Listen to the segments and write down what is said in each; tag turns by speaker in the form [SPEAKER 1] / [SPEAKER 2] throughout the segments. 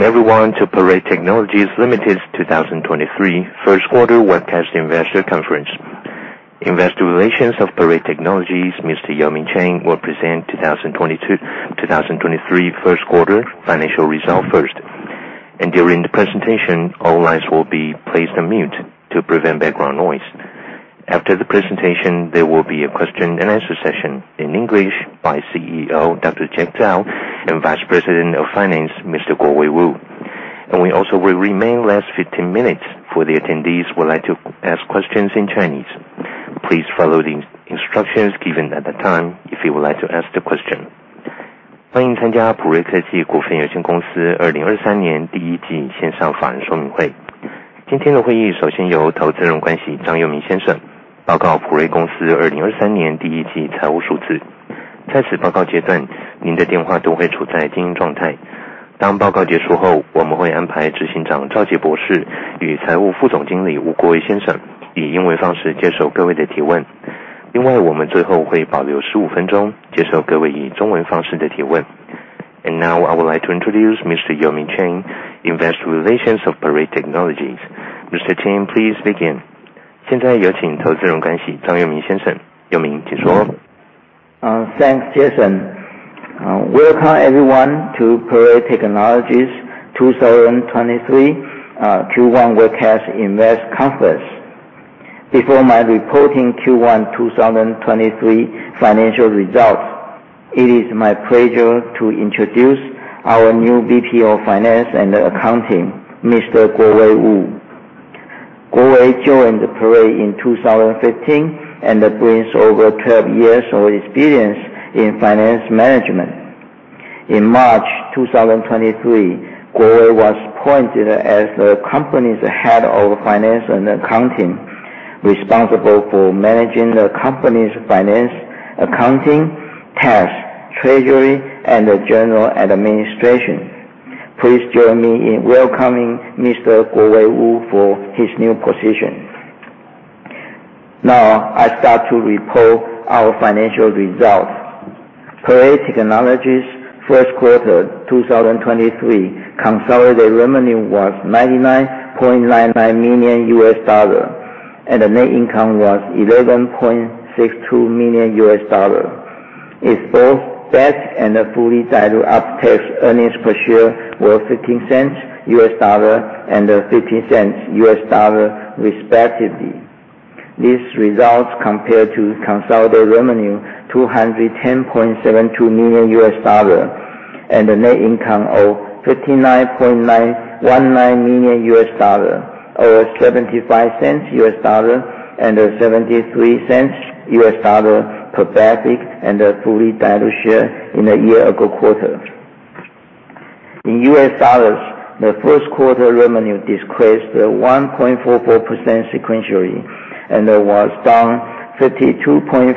[SPEAKER 1] Welcome everyone to Parade Technologies Limited's 2023 First Quarter Webcast Investor Conference. Investor Relations of Parade Technologies, Mr. Yo-Ming Chang, will present 2023 First Quarter Financial Results first. During the presentation, all lines will be placed on mute to prevent background noise. After the presentation, there will be a question and answer session in English by CEO Dr. Jack Zhao and Vice President of Finance, Mr. Kuowei Wu. We also will remain last 15 minutes for the attendees who would like to ask questions in Chinese. Please follow the instructions given at the time if you would like to ask the question. Now I would like to introduce Mr. Yo-Ming Chang, investor relations of Parade Technologies. Mr. Chang, please begin.
[SPEAKER 2] Thanks, Jason. Welcome everyone to Parade Technologies' 2023 Q1 Webcast Invest Conference. Before my reporting Q1 2023 financial results, it is my pleasure to introduce our new VP of Finance and Accounting, Mr. Kuowei Wu. Kuowei joined Parade Technologies in 2015 and brings over 12 years of experience in finance management. In March 2023, Kuowei was appointed as the company's Head of Finance and Accounting, responsible for managing the company's finance, accounting, tax, treasury, and the general administration. Please join me in welcoming Mr. Kuowei Wu for his new position. I start to report our financial results. Parade Technologies first quarter 2023 consolidated revenue was $99.99 million, and the net income was $11.62 million. Its both debt and fully diluted after-tax earnings per share were $0.15 and $0.15 respectively. These results compared to consolidated revenue $210.72 million and a net income of $59.919 million, or $0.75 and $0.73 per basic and fully diluted share in the year-ago quarter. In U.S. dollars, the first quarter revenue decreased 1.44% sequentially and it was down 32.55%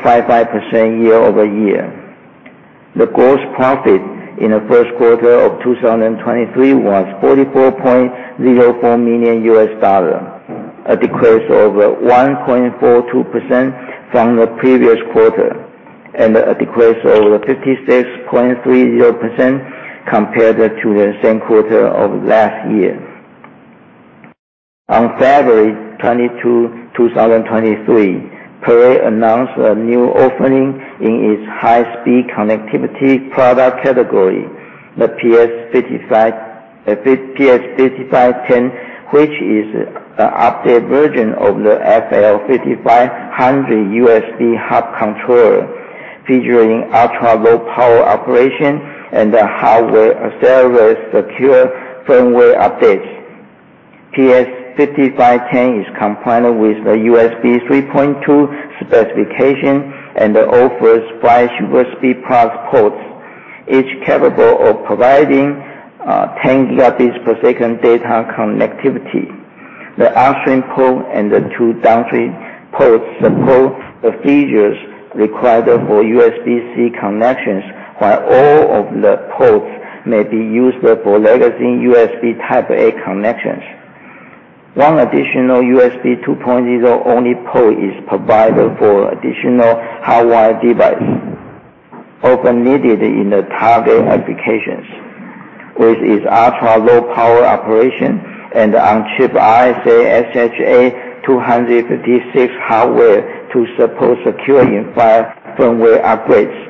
[SPEAKER 2] year-over-year. The gross profit in the first quarter of 2023 was $44.04 million, a decrease of 1.42% from the previous quarter, and a decrease of 56.30% compared to the same quarter of last year. On February 22, 2023, Parade announced a new opening in its high-speed connectivity product category, the PS5510, which is an updated version of the FL5500 USB hub controller, featuring ultra-low power operation and hardware-accelerated secure firmware updates. PS5510 is compliant with the USB 3.2 specification and offers five SuperSpeed+ ports, each capable of providing 10 Gbps data connectivity. The upstream port and the two downstream ports support the features required for USB-C connections, while all of the ports may be used for legacy USB Type-A connections. One additional USB 2.0-only port is provided for additional hardware device, often needed in the target applications. With its ultra-low power operation and on-chip RSA SHA-256 hardware to support secure in-field firmware upgrades.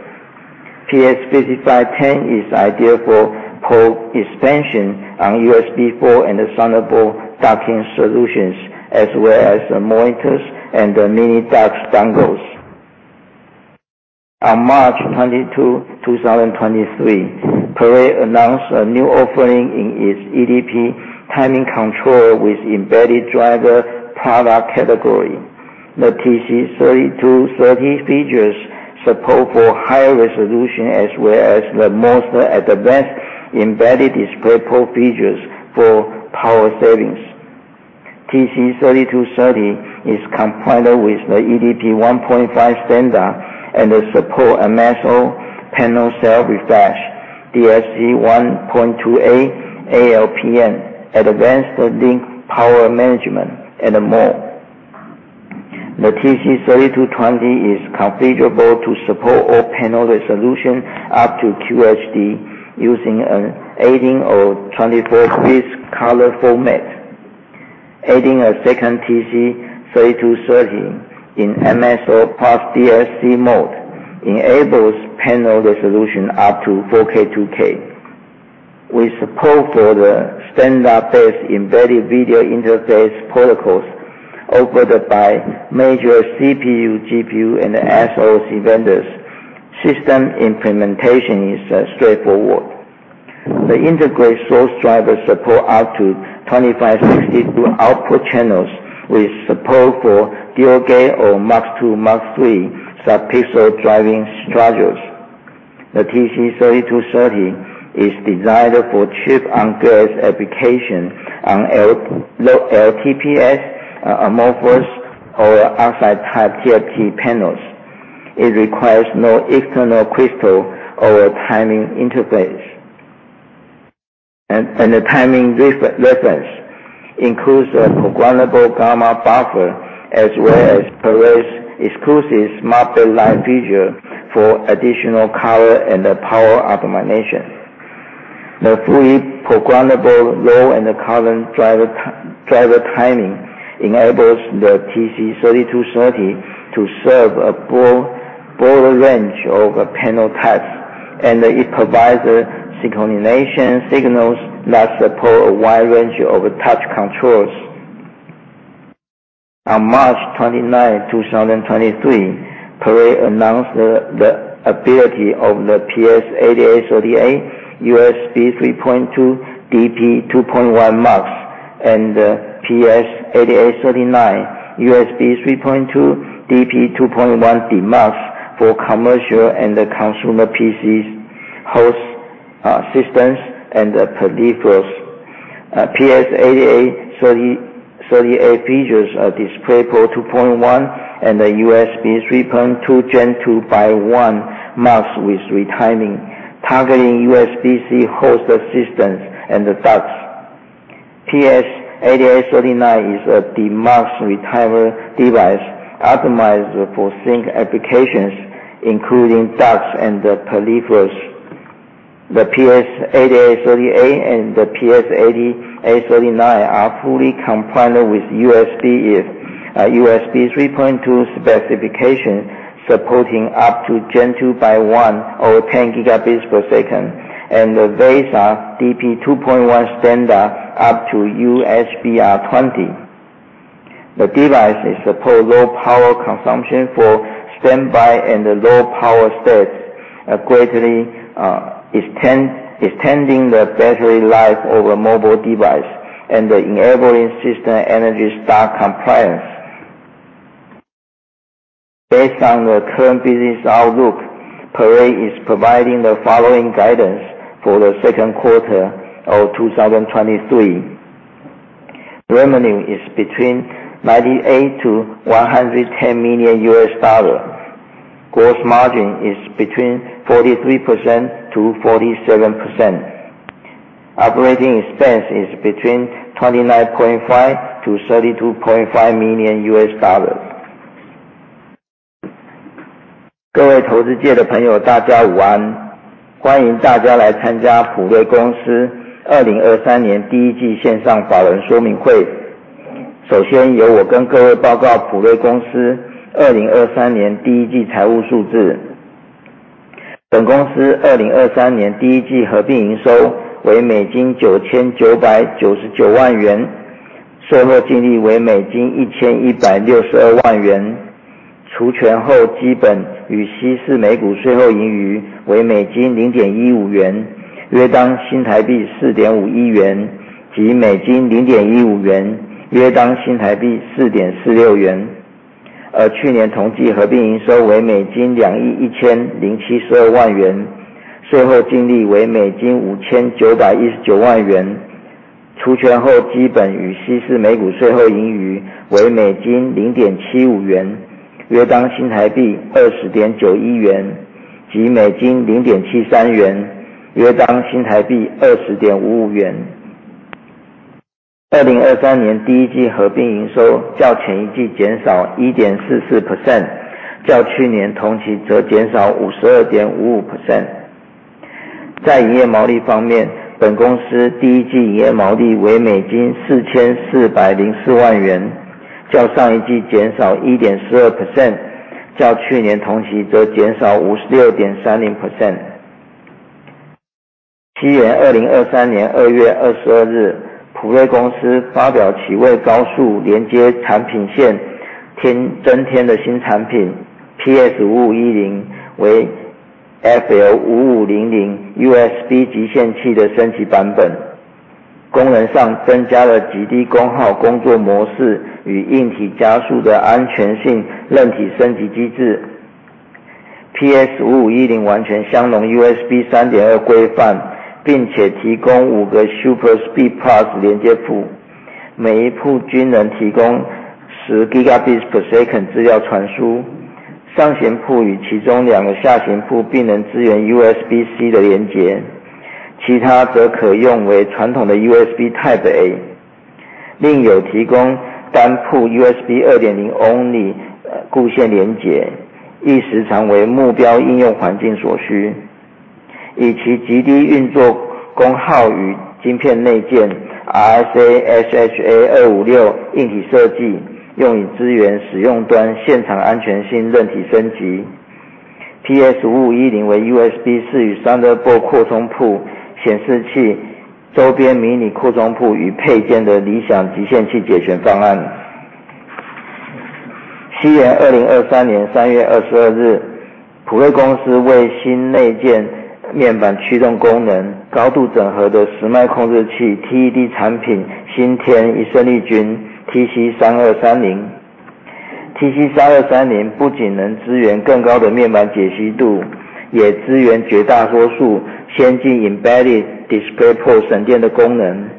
[SPEAKER 2] PS5510 is ideal for port expansion on USB4 and Thunderbolt docking solutions, as well as monitors and mini-dock dongles. On March 22, 2023, Parade announced a new offering in its eDP Timing Controller with embedded driver product category. The TC3230 features support for higher resolution as well as the most advanced embedded DisplayPort features for power savings. TC3230 is compliant with the eDP 1.5 standard and support MSO Panel Self-Refresh, DSC 1.2a, ALPM, Advanced Link Power Management, and more. The TC3220 is configurable to support all panel resolution up to QHD using an 18-bit or 24-bits color format. Adding a second TC3230 in MSO plus DSC mode enables panel resolution up to 4K-2K. With support for the standard-based embedded video interface protocols offered by major CPU, GPU, and SoC vendors, system implementation is straightforward. The integrated source driver support up to 2,562 output channels with support for dual-gate or MUX2, MUX3 subpixel driving structures. The TC3230 is designed for chip-on-glass application on LTPS, amorphous, or oxide-type TFT panels. It requires no external crystal or timing interface. The timing reference includes a programmable gamma buffer as well as Parade's exclusive Smart-Backlight feature for additional power optimization. The fully programmable role in the current driver timing enables the TC3230 to serve a broader range of panel types, and it provides synchronization signals that support a wide range of touch controls. On March 29th, 2023, Parade announced the ability of the PS8838 USB 3.2 DP 2.1 MUX and PS8839 USB 3.2 DP 2.1 DeMUX for commercial and consumer PCs, host systems, and peripherals. PS8830, PS8838 features a DisplayPort 2.1 and a USB 3.2 Gen 2x1 MUX with retiming targeting USB-C host systems and docks. PS8839 is a DeMUX retimer device optimized for sink applications, including docks and peripherals. The PS8838 and the PS8839 are fully compliant with USB-IF, USB 3.2 specification, supporting up to Gen 2x1 or 10 Gbps and the VESA DP 2.1 standard up to UHBR20. The device is support low power consumption for standby and low power states, greatly extending the battery life of a mobile device and enabling system ENERGY STAR compliance. Based on the current business outlook, Parade is providing the following guidance for the second quarter of 2023. Revenue is between $98 million-$110 million. Gross margin is between 43%-47%. Operating expense is between $29.5 million-$32.5 million. 每一 port 均能提供10 Gigabits per second 资料传输。上行 port 与其中两个下行 port 并能支援 USB-C 的连 结， 其他则可用为传统的 USB Type-A。另有提供单 port USB 2.0 only 固线连 结， 一时常为目标应用环境所需。以其极低运作功耗与晶片内建 RSA SHA-256 实体设 计， 用于支援使用端现场安全性韧体升级。PS5510 为 USB4 与 Thunderbolt 扩充 port 显示器周边迷你扩充 port 与配件的理想集线器解决方案。March 22, 2023, Parade Technologies 为新内建面板驱动功能高度整合的时脉控制器 TED 产 品， 新添一胜力军 TC3230。TC3230 不仅能支援更高的面板解析度，也支援绝大多数先进 eDP 省电的功能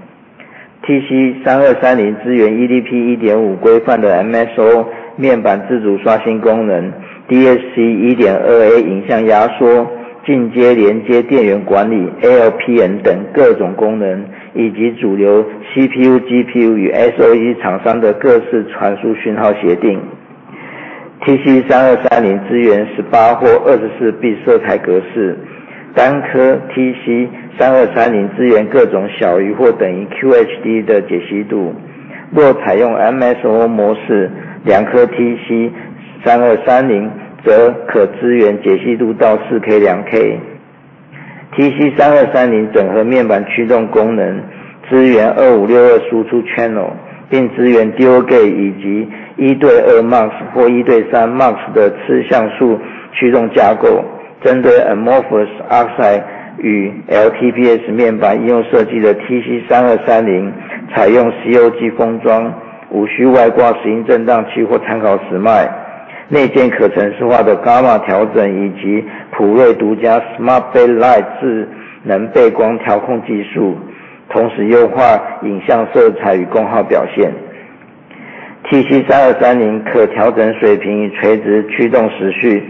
[SPEAKER 2] 。TC3230 支援 eDP 1.5 规范的 MSO 面板自主刷新功能、DSC 1.2a 影像压缩、进阶连接电源管理、ALPM 等各种功 能， 以及主流 CPU、GPU 与 SoC 厂商的各式传输讯号协定。TC3230 支援18或 24-bit 色彩格 式， 单颗 TC3230 支援各种小于或等于 QHD 的解析度。若采用 MSO 模 式， 两颗 TC3230 则可支援解析度到 4K2K。TC3230 整合面板驱动功 能， 支援 2,562 output channel， 并支援 dual-gate 以及一对二 MUX 或一对三 MUX 的次像素驱动架构。针对 amorphous oxide 与 LTPS 面板应用设计的 TC3230， 采用 COG 封 装， 无需外挂时钟振荡器或参考时 脉， 内建可程式化的 gamma 调整以及 Parade's 独家 Smart-Backlight 智能背光调控技 术， 同时优化影像色彩与功耗表现。TC3230 可调整水平与垂直驱动时 序，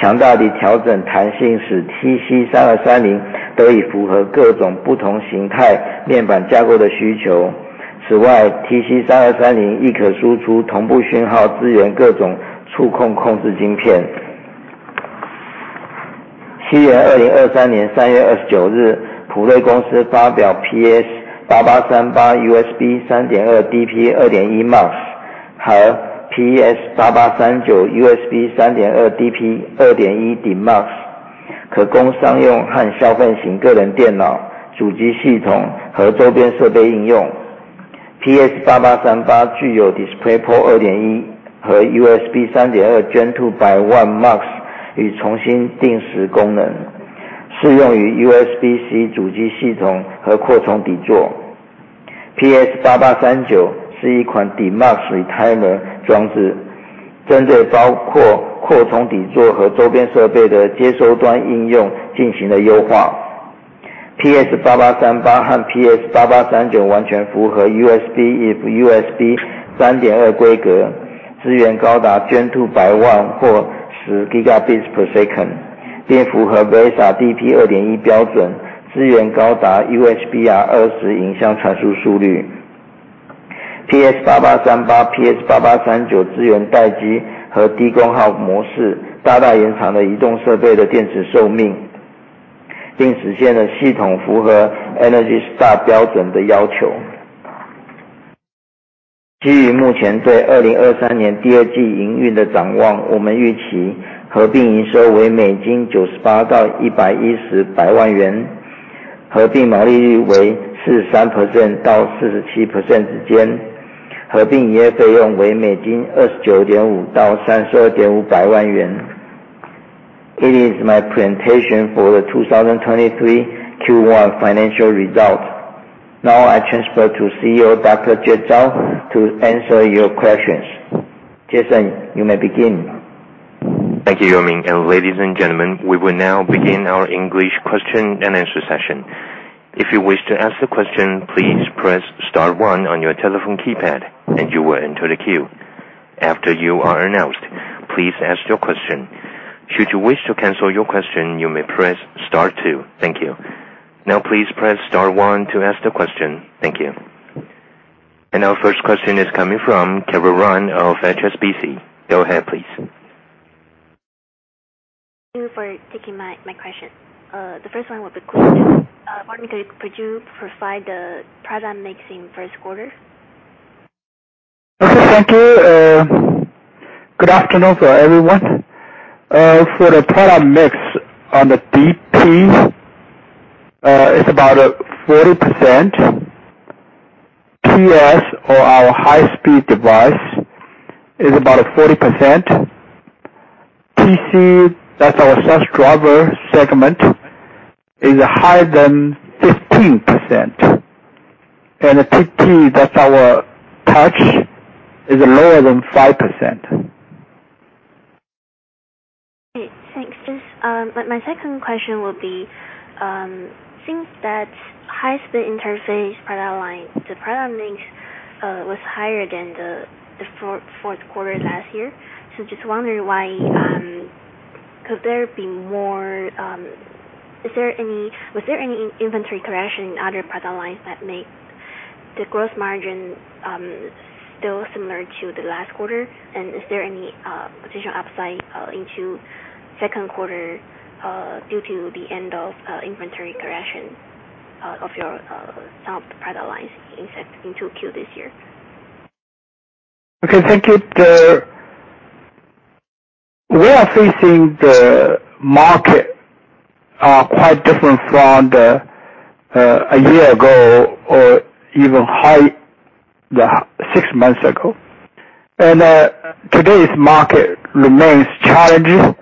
[SPEAKER 2] 强大的调整弹性使 TC3230 都已符合各种不同形态面板架构的需求。此外 ，TC3230 亦可输出同步讯 号， 支援各种触控控制晶片。March 29, 2023, Parade Technologies 发表 PS8838 USB 3.2 DP 2.1 MUX 和 PS8839 USB 3.2 DP 2.1 DeMUX， 可供商用和消费型个人电脑主机系统和周边设备应用。PS8838 具有 DisplayPort 2.1 和 USB 3.2 Gen2x1 MUX 与重新定时功能，适用于 USB-C 主机系统和扩充底座。PS8839 是一款 DeMUX 与 timer 设 备， 针对包括扩充底座和周边设备的接收端应用进行了优化。PS8838 和 PS8839 完全符合 USB 和 USB 3.2 规 格， 支援高达 Gen2x1 或10 Gigabits per second， 并符合 VESA DP 2.1 标 准， 支援高达 UHBR20 影像传输速率。PS8838、PS8839 支援待机和低功耗模 式， 大大延长了移动设备的电池寿 命， 并实现了系统符合 ENERGY STAR 标准的要求。基于目前对2023 Q2 营运的展 望， 我们预期合并营收为 $98 million-$110 million， 合并毛利率为 43%-47% 之 间， 合并营业费用为 $29.5 million-$32.5 million。It is my presentation for the 2023 Q1 financial results. Now I transfer to CEO Dr. Jack Zhao to answer your questions. Jason, you may begin.
[SPEAKER 1] Thank you, Yo-Ming. Ladies and gentlemen, we will now begin our English question and answer session. If you wish to ask the question, please press star one on your telephone keypad and you will enter the queue. After you are announced, please ask your question. Should you wish to cancel your question, you may press star two. Thank you. Now please press star one to ask the question. Thank you. Our first question is coming from [Carol Run] of HSBC. Go ahead, please.
[SPEAKER 3] Thank you for taking my question. Could you provide the product mix in first quarter?
[SPEAKER 4] Okay, thank you. Good afternoon for everyone. For the product mix on the DP, it's about 40%. PS or our high-speed device is about 40%. PC that's our driver segment is higher than 15%. The TT that's our touch is lower than 5%.
[SPEAKER 3] My second question will be, seems that high-speed interface the product line was higher than the fourth quarter last year. Just wondering why, could there be more, was there any inventory correction in other product lines that make the gross margin still similar to the last quarter? Is there any potential upside into second quarter due to the end of inventory correction of your some of the product lines into 2Q this year?
[SPEAKER 4] Okay. Thank you. We are facing the market quite different from a year ago or even high, six months ago. Today's market remains challenging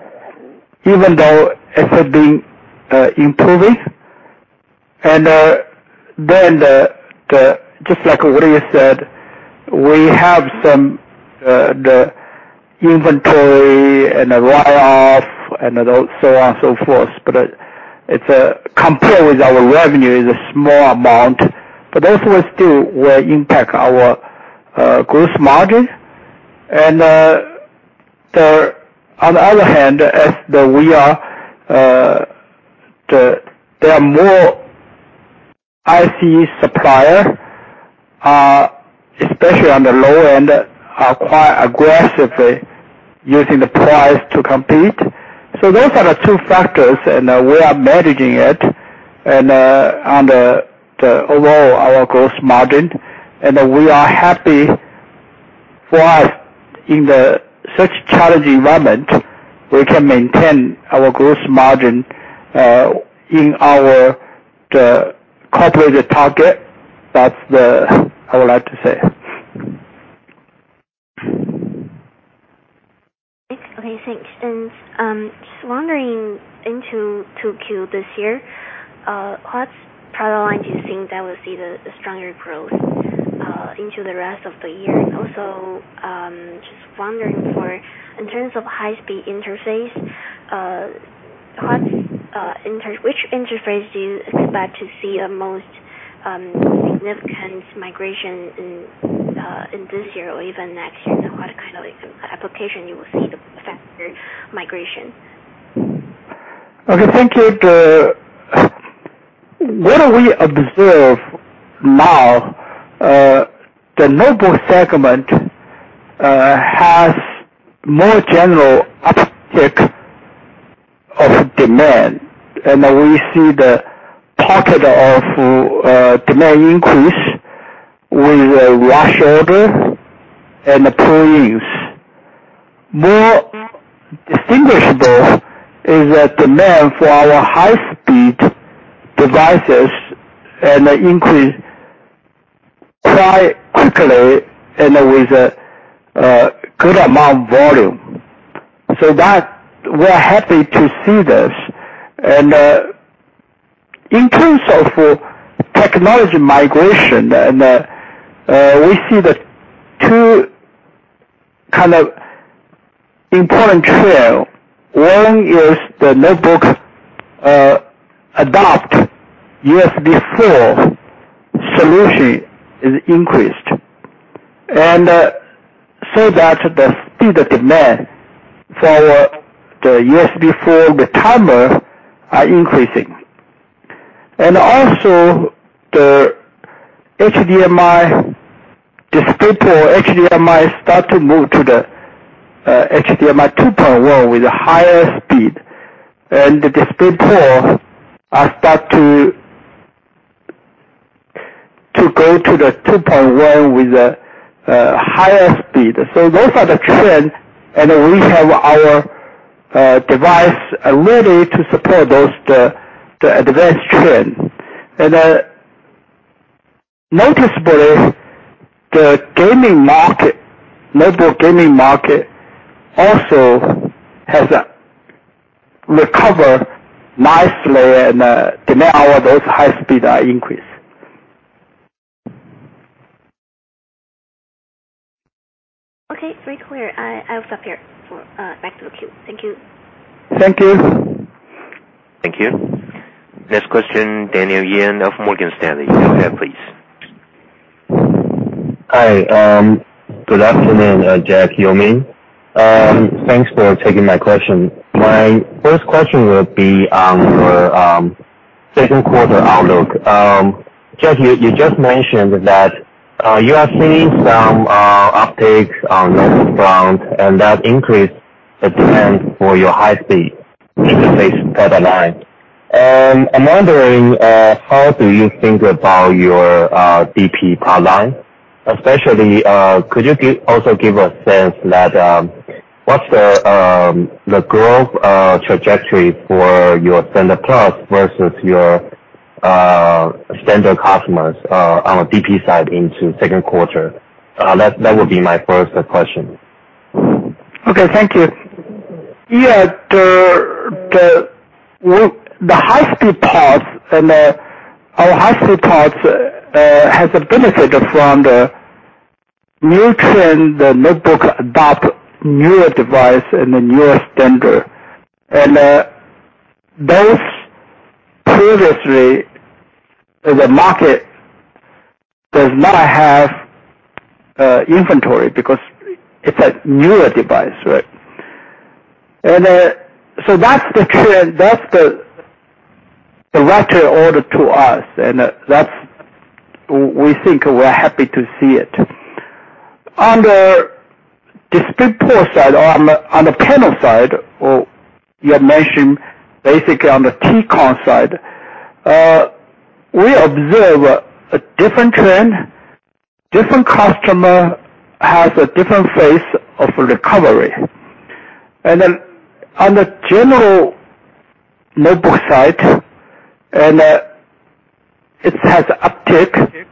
[SPEAKER 4] even though it has been improving. Just like [inaudible] said, we have some inventory and the write-off and so on and so forth. It's compared with our revenue is a small amount, but those will still impact our gross margin. On the other hand, as there are more IC supplier, especially on the low end, are quite aggressively using the price to compete. Those are the two factors, and we are managing it. On the overall our gross margin, and we are happy for us in the such challenging environment, we can maintain our gross margin in our, the copyrighted target. That's the. I would like to say.
[SPEAKER 3] Okay. Thanks. Just wondering into 2Q this year, what product line do you think that will see the stronger growth into the rest of the year? Also, just wondering, in terms of high-speed interface, what which interface do you expect to see the most significant migration in this year or even next year? What kind of application you will see the faster migration?
[SPEAKER 4] Okay. Thank you. What we observe now, the notebook segment, has more general uptick of demand. We see the pocket of demand increase with a rush order and the pull-ins. More distinguishable is a demand for our high-speed devices and increase quite quickly and with a good amount volume. We're happy to see this. In terms of technology migration, we see the two kind of important trail. One is the notebook, adopt USB4 solution is increased. The speed of demand for the USB4, the timer, are increasing. The HDMI DisplayPort, HDMI start to move to the HDMI 2.1 with a higher speed. The DisplayPort are start to go to the 2.1 with a higher speed. Those are the trends, and we have our device ready to support those, the advanced trends. Noticeably, the gaming market, notebook gaming market also has recovered nicely and demand our those high speed are increased.
[SPEAKER 3] Okay. Very clear. I'll stop here for back to the queue. Thank you.
[SPEAKER 4] Thank you.
[SPEAKER 1] Thank you. Next question, Daniel Yen of Morgan Stanley. You may go ahead, please.
[SPEAKER 5] Hi. Good afternoon, Jack, Yo-Ming Chang. Thanks for taking my question. My first question would be on your second quarter outlook. Jack, you just mentioned that you are seeing some upticks on notebook front and that increased demand for your high-speed interface product line. I'm wondering how do you think about your DP product line? Especially, could you also give a sense that what's the growth trajectory for your standards-plus versus your standard customers on the DP side into second quarter? That would be my first question.
[SPEAKER 4] Okay. Thank you. Yeah. The high-speed ports and our high-speed ports has benefited from the new trend, the notebook adopt newer device and the newer standard. Those previously in the market does not have inventory because it's a newer device, right? That's the trend, that's the right order to us, and that's we think we're happy to see it. Under DisplayPort side or on the panel side, you have mentioned basically on the TCON side, we observe a different trend. Different customer has a different phase of recovery. On the general notebook side, it has uptick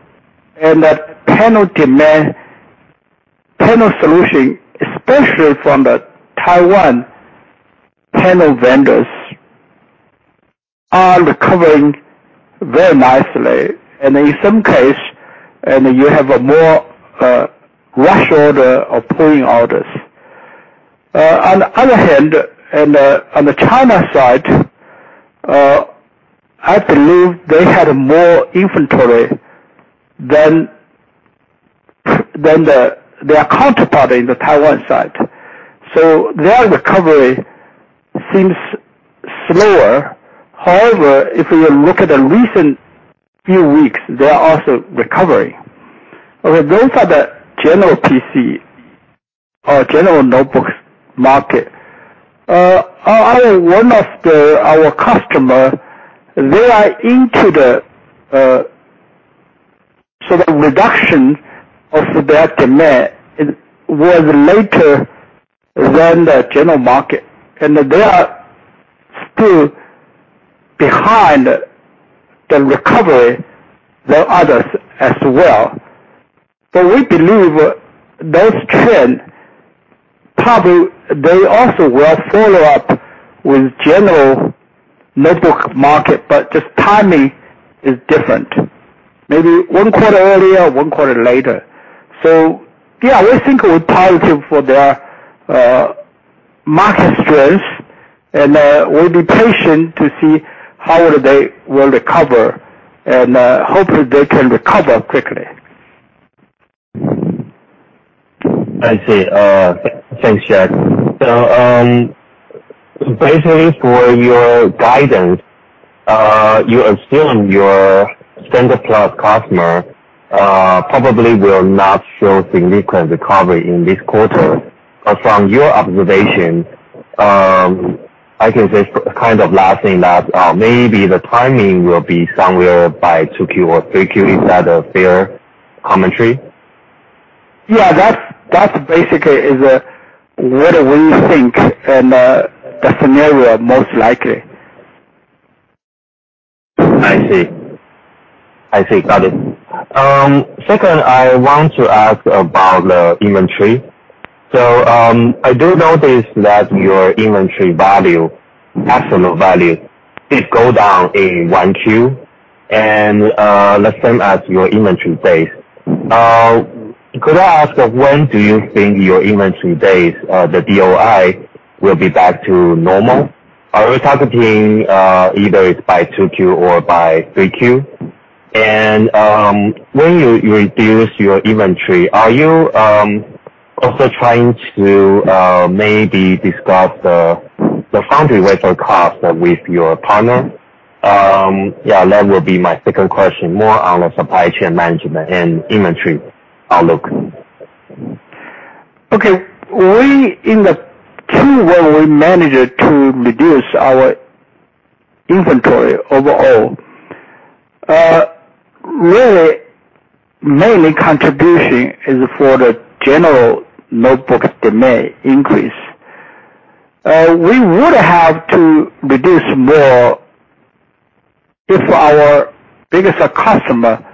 [SPEAKER 4] and the panel solution, especially from the Taiwan panel vendors, are recovering very nicely. In some case, you have a more rush order or pulling orders. On the other hand, and on the China side, I believe they had more inventory than the their counterpart in the Taiwan side. Their recovery seems slower. However, if you look at the recent few weeks, they are also recovering. Those are the general PC or general notebooks market. Other one of our customer, they are into the sort of reduction of their demand was later than the general market, and they are still behind the recovery than others as well. We believe those trend, probably they also will follow up with general notebook market, but just timing is different. Maybe one quarter earlier, one quarter later. Yeah, we think we're positive for their market strength, and we'll be patient to see how they will recover, and hopefully, they can recover quickly.
[SPEAKER 5] I see. Thanks, Jack. Basically for your guidance, you assume your standards-plus customer probably will not show significant recovery in this quarter. From your observation, I can say kind of last thing that, maybe the timing will be somewhere by 2Q or 3Q. Is that a fair commentary?
[SPEAKER 4] Yeah. That's basically is what we think and the scenario most likely.
[SPEAKER 5] I see. I see. Got it. Second, I want to ask about the inventory. I do notice that your inventory value, absolute value, it go down in 1Q the same as your inventory days. Could I ask, when do you think your inventory days, the DOI will be back to normal? Are we targeting either it's by 2Q or by 3Q? When you reduce your inventory, are you also trying to discuss the foundry wafer cost with your partner? That will be my second question, more on the supply chain management and inventory outlook.
[SPEAKER 4] Okay. In the Q1, we managed to reduce our inventory overall. Really, mainly contribution is for the general notebook demand increase. We would have to reduce more if our biggest customer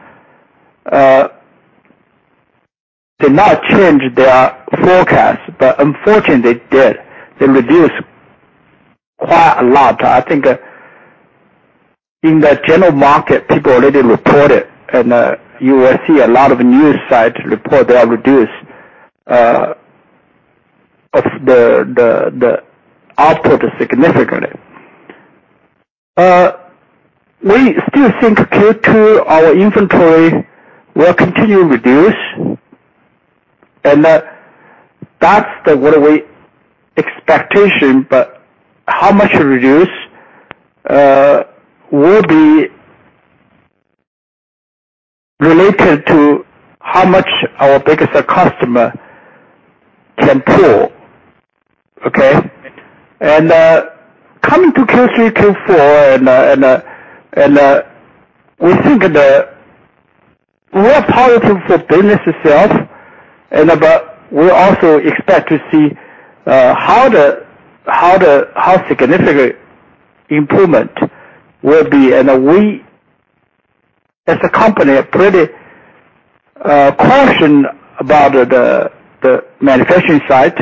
[SPEAKER 4] did not change their forecast. Unfortunately, they did. They reduced quite a lot. I think in the general market, people already report it. You will see a lot of news sites report they are reduced of the output significantly. We still think Q2, our inventory will continue to reduce, and that's what we expectation. How much it reduce will be related to how much our biggest customer can pull. Okay? Coming to Q3, Q4, and we think we are positive for business itself, but we also expect to see how significant improvement will be. We as a company are pretty cautious about the manufacturing side.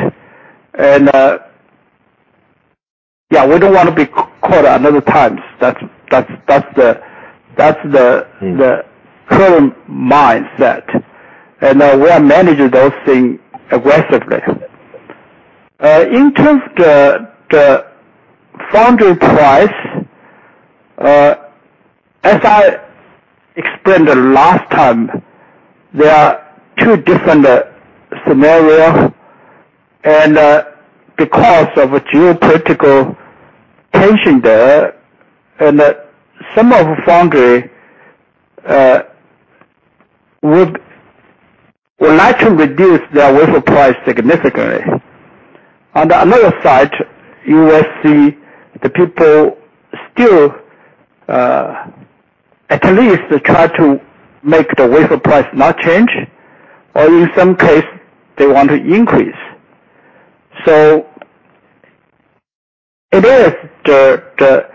[SPEAKER 4] Yeah, we don't wanna be caught another times. That's the.
[SPEAKER 5] Mm-hmm.
[SPEAKER 4] The current mindset. We are managing those things aggressively. In terms of the foundry price, as I explained the last time, there are two different scenario. Because of a geopolitical tension there, and that some of foundry would like to reduce their wafer price significantly. On the another side, you will see the people still, at least try to make the wafer price not change, or in some case, they want to increase. It is the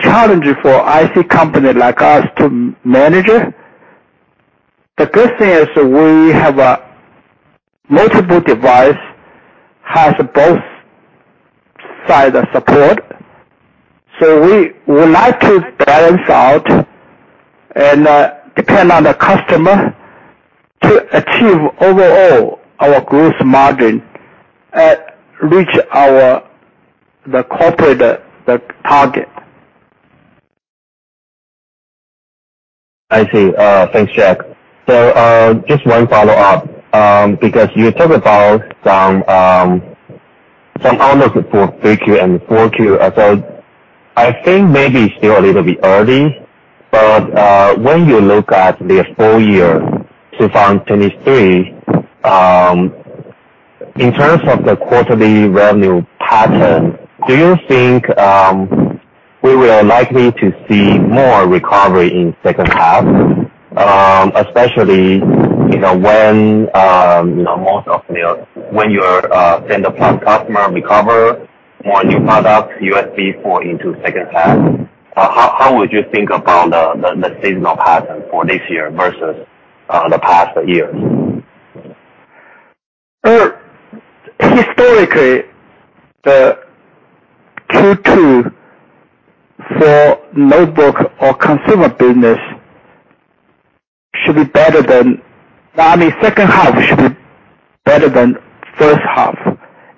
[SPEAKER 4] challenge for IC company like us to manage it. The good thing is we have a multiple device, has both side support. We would like to balance out and depend on the customer to achieve overall our gross margin at reach our, the corporate, the target.
[SPEAKER 5] I see. Thanks, Jack. Just one follow-up, because you talked about some numbers for 3Q and 4Q. I think maybe it's still a little bit early. When you look at the full year to 2023, in terms of the quarterly revenue pattern, do you think we will likely to see more recovery in second half? Especially, you know, when, you know, when your data plus customer recover more new products USB4 into second half. How would you think about the seasonal pattern for this year versus the past years?
[SPEAKER 4] Historically, the Q2 for notebook or consumer business, second half should be better than first half,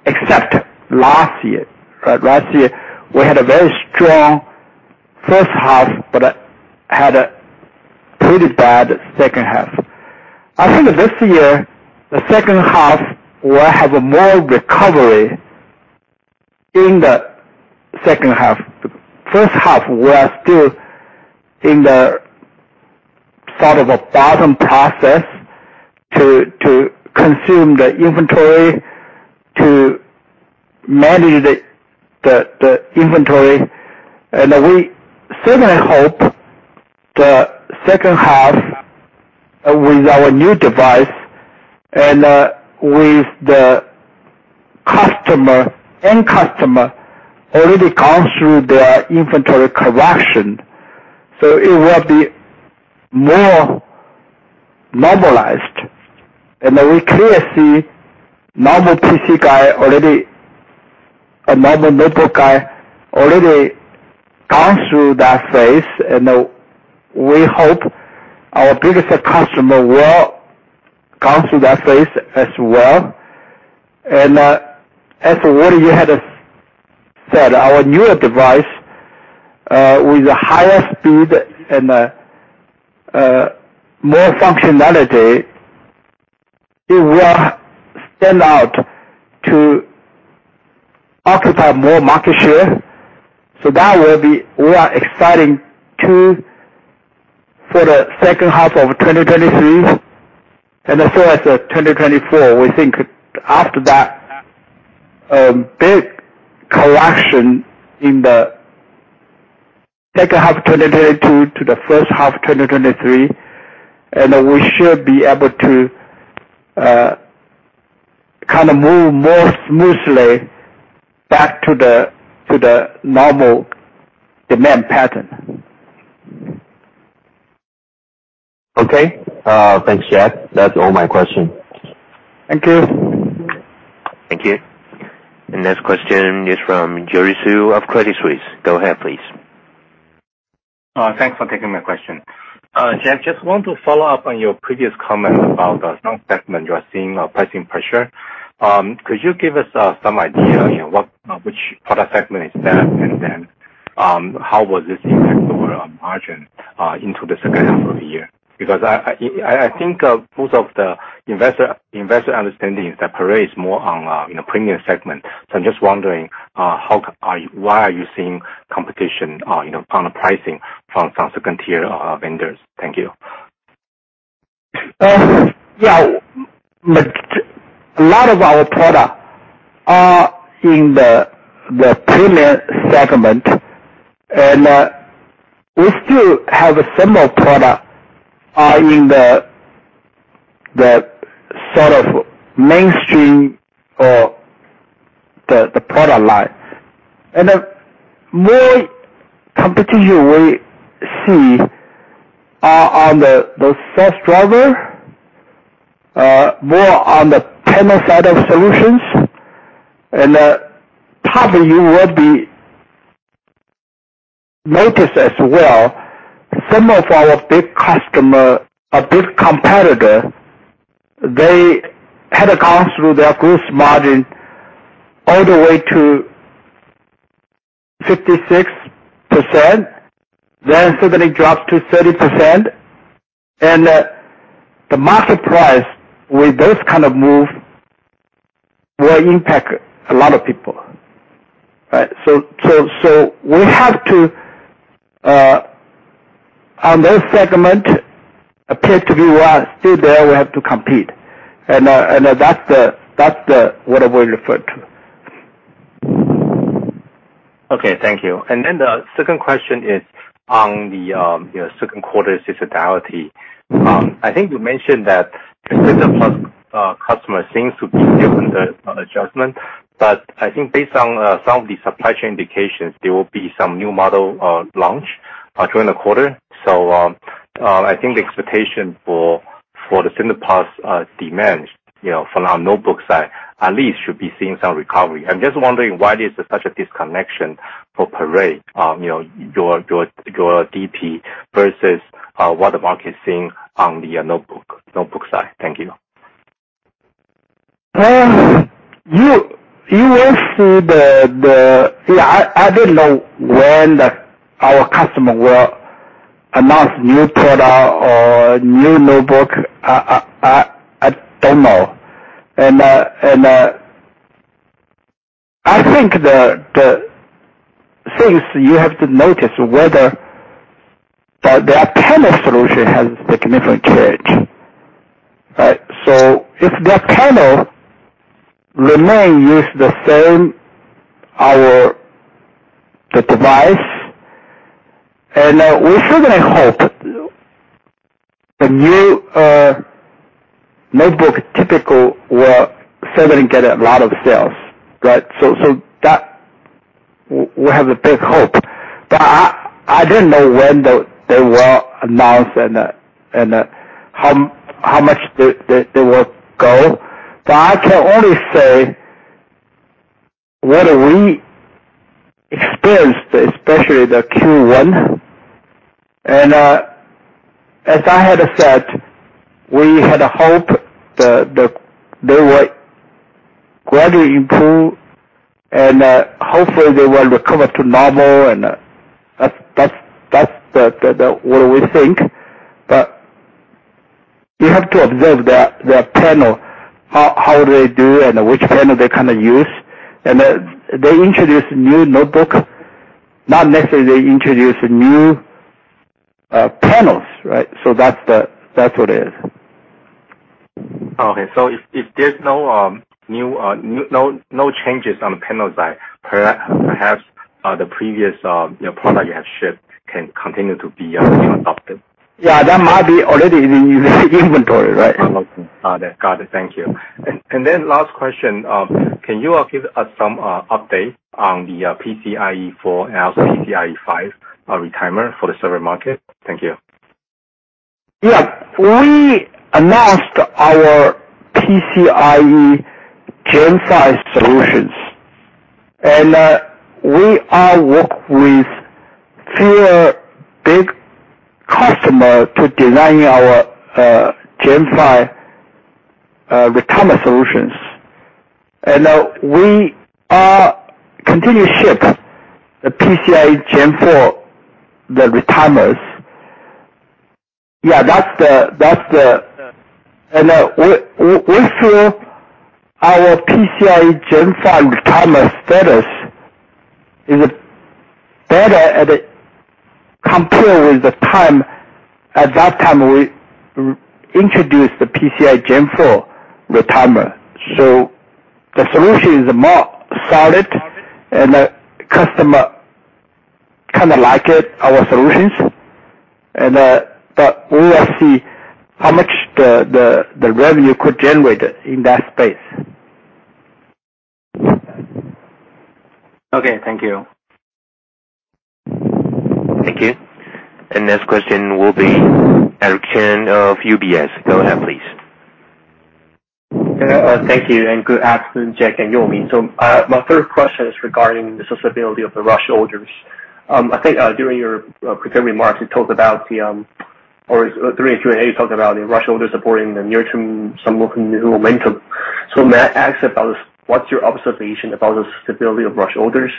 [SPEAKER 4] except last year. Last year we had a very strong first half, but had a pretty bad second half. I think this year, the second half will have a more recovery in the second half. First half, we are still in the sort of a bottom process to consume the inventory, to manage the inventory. We certainly hope the second half with our new device and with the customer, end customer, already gone through their inventory correction, so it will be more normalized. We clearly see a normal notebook guy already gone through that phase, and we hope our biggest customer will gone through that p hase as well. As what you had said, our newer device, with a higher speed and a more functionality, it will stand out to occupy more market share. That will be we are exciting too for the second half of 2023 and as far as 2024. We think after that big correction in the second half of 2022 to the first half of 2023, we should be able to kind of move more smoothly back to the normal demand pattern.
[SPEAKER 5] Okay. Thanks, Jack. That's all my question.
[SPEAKER 4] Thank you.
[SPEAKER 1] Thank you. The next question is from Jerry Su of Credit Suisse. Go ahead, please.
[SPEAKER 6] Thanks for taking my question. Jack, just want to follow up on your previous comment about some segment you are seeing a pricing pressure. Could you give us some idea, you know, what which product segment is that? How will this impact overall margin into the second half of the year? I think most of the investor understanding is that Parade's more on, you know, premium segment. I'm just wondering why are you seeing competition, you know, on the pricing from some second-tier vendors? Thank you.
[SPEAKER 4] Yeah. A lot of our product are in the premium segment. We still have a similar product, in the sort of mainstream or the product line. The more competition we see on the first driver, more on the panel side of solutions. Probably you will be notice as well some of our big customer, a big competitor, they had gone through their gross margin all the way to 56%, then suddenly dropped to 30%. The market price with those kind of move will impact a lot of people. Right? So we have to, on that segment appear to be, well, still there, we have to compete. And that's the what I will refer to.
[SPEAKER 6] The second question is on the, you know, second quarter sustainability. I think you mentioned that consumer plus customer seems to be given the adjustment. I think based on some of the supply chain indications, there will be some new model launch during the quarter. I think the expectation for the consumer plus demands, you know, from our notebook side at least should be seeing some recovery. I'm just wondering why there's such a disconnection for Parade, you know, your DP versus what the market is seeing on the notebook side. Thank you.
[SPEAKER 4] You will see the... Yeah. I didn't know when our customer will announce new product or new notebook. I don't know. I think the things you have to notice whether their panel solution has a significant change. Right? If their panel remain use the same, our device, and we certainly hope the new notebook typical will certainly get a lot of sales, right? That we have a big hope. I didn't know when they will announce how much they will go. I can only say what do we experienced, especially the Q1. As I had said, we had hoped the they would gradually improve and hopefully they will recover to normal and that's what we think. You have to observe their panel, how they do and which panel they kinda use. They introduce new notebook, not necessarily introduce new panels, right? That's what it is.
[SPEAKER 6] Okay. if there's no changes on the panel side, perhaps, the previous, you know, product you have shipped can continue to be, you know, adopted.
[SPEAKER 4] Yeah. That might be already in your inventory, right?
[SPEAKER 6] Okay. Got it. Thank you. Last question, can you give us some update on the PCIe 4.0 and also PCIe 5.0 retimer for the server market? Thank you.
[SPEAKER 4] Yeah. We announced our PCIe Gen 5 solutions. We are work with few big customer to design our Gen 5 retimer solutions. We are continue ship the PCIe Gen 4, the retimer. Yeah. That's the. We feel our PCIe Gen 5 retimer status is better at compare with the time, at that time we introduce the PCIe Gen 4 retimer. The solution is more solid and the customer kinda like it, our solutions. We will see how much the revenue could generate in that space.
[SPEAKER 6] Okay. Thank you.
[SPEAKER 1] Thank you. Next question will be Eric Chen of UBS. Go ahead, please.
[SPEAKER 7] Thank you and good afternoon, Jack and Yo-Ming. My first question is regarding the sustainability of the rush orders. I think during your prepared remarks, you talked about the, or during, you talked about the rush orders supporting the near-term, some new momentum. May I ask about what's your observation about the stability of rush orders?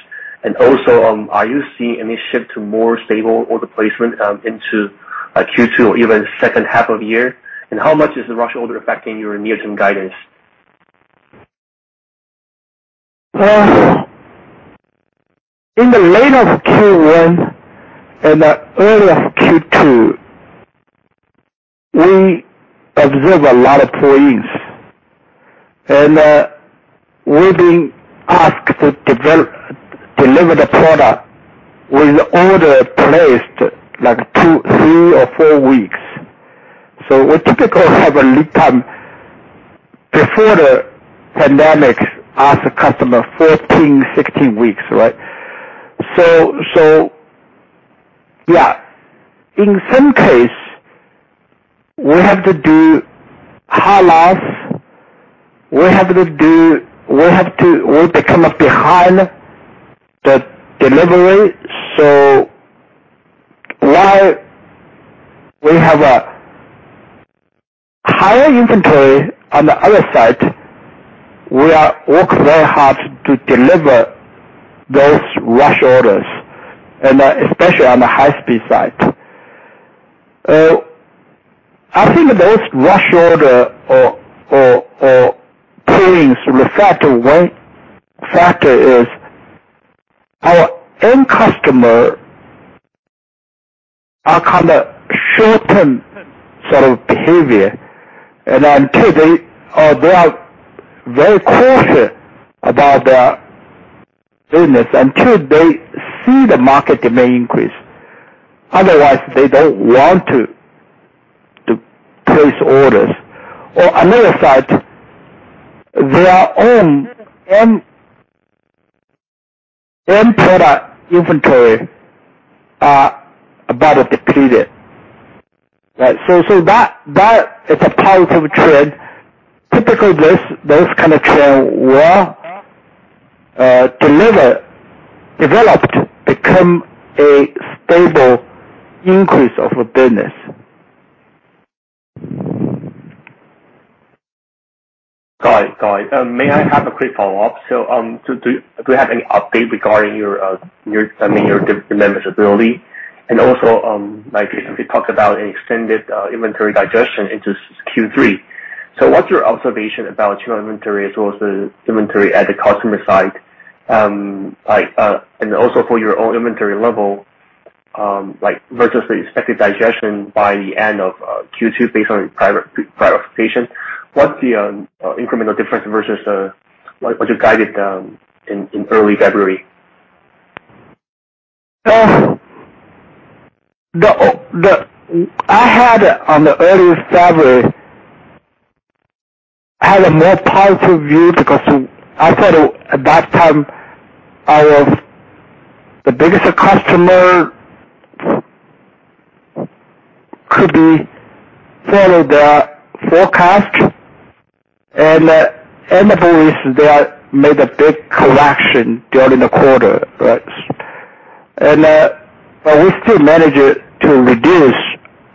[SPEAKER 7] Are you seeing any shift to more stable order placement into Q2 or even second half of the year? How much is the rush order affecting your near-term guidance?
[SPEAKER 4] In the late of Q1 and the early of Q2, we observe a lot of queries. We've been asked to deliver the product with order placed like two, three or four weeks. We typically have a lead time. Before the pandemic, ask the customer 14, 16 weeks, right? In some case, we have to do high loss. We become behind the delivery. While we have a higher inventory on the other side, we are work very hard to deliver those rush orders, and especially on the high-speed side. I think the most rush order or pulling factor, one factor is our end customer are kind of shortened sort of behavior. Until they are very cautious about their business, until they see the market demand increase. Otherwise, they don't want to place orders. On another side, their own end product inventory are about depleted, right? That is a positive trend. Typically, those kind of trend will developed, become a stable increase of business.
[SPEAKER 7] Got it. May I have a quick follow-up? Do you have any update regarding your, I mean, your deleverage ability? You simply talked about an extended inventory digestion into Q3. What's your observation about your inventory as well as the inventory at the customer side, and also for your own inventory level, versus the expected digestion by the end of Q2 based on your private expectation. What's the incremental difference versus what you guided in early February?
[SPEAKER 4] The I had on the early February, had a more positive view because I thought at that time our biggest customer could be follow the forecast and for this they made a big correction during the quarter, right? We still managed to reduce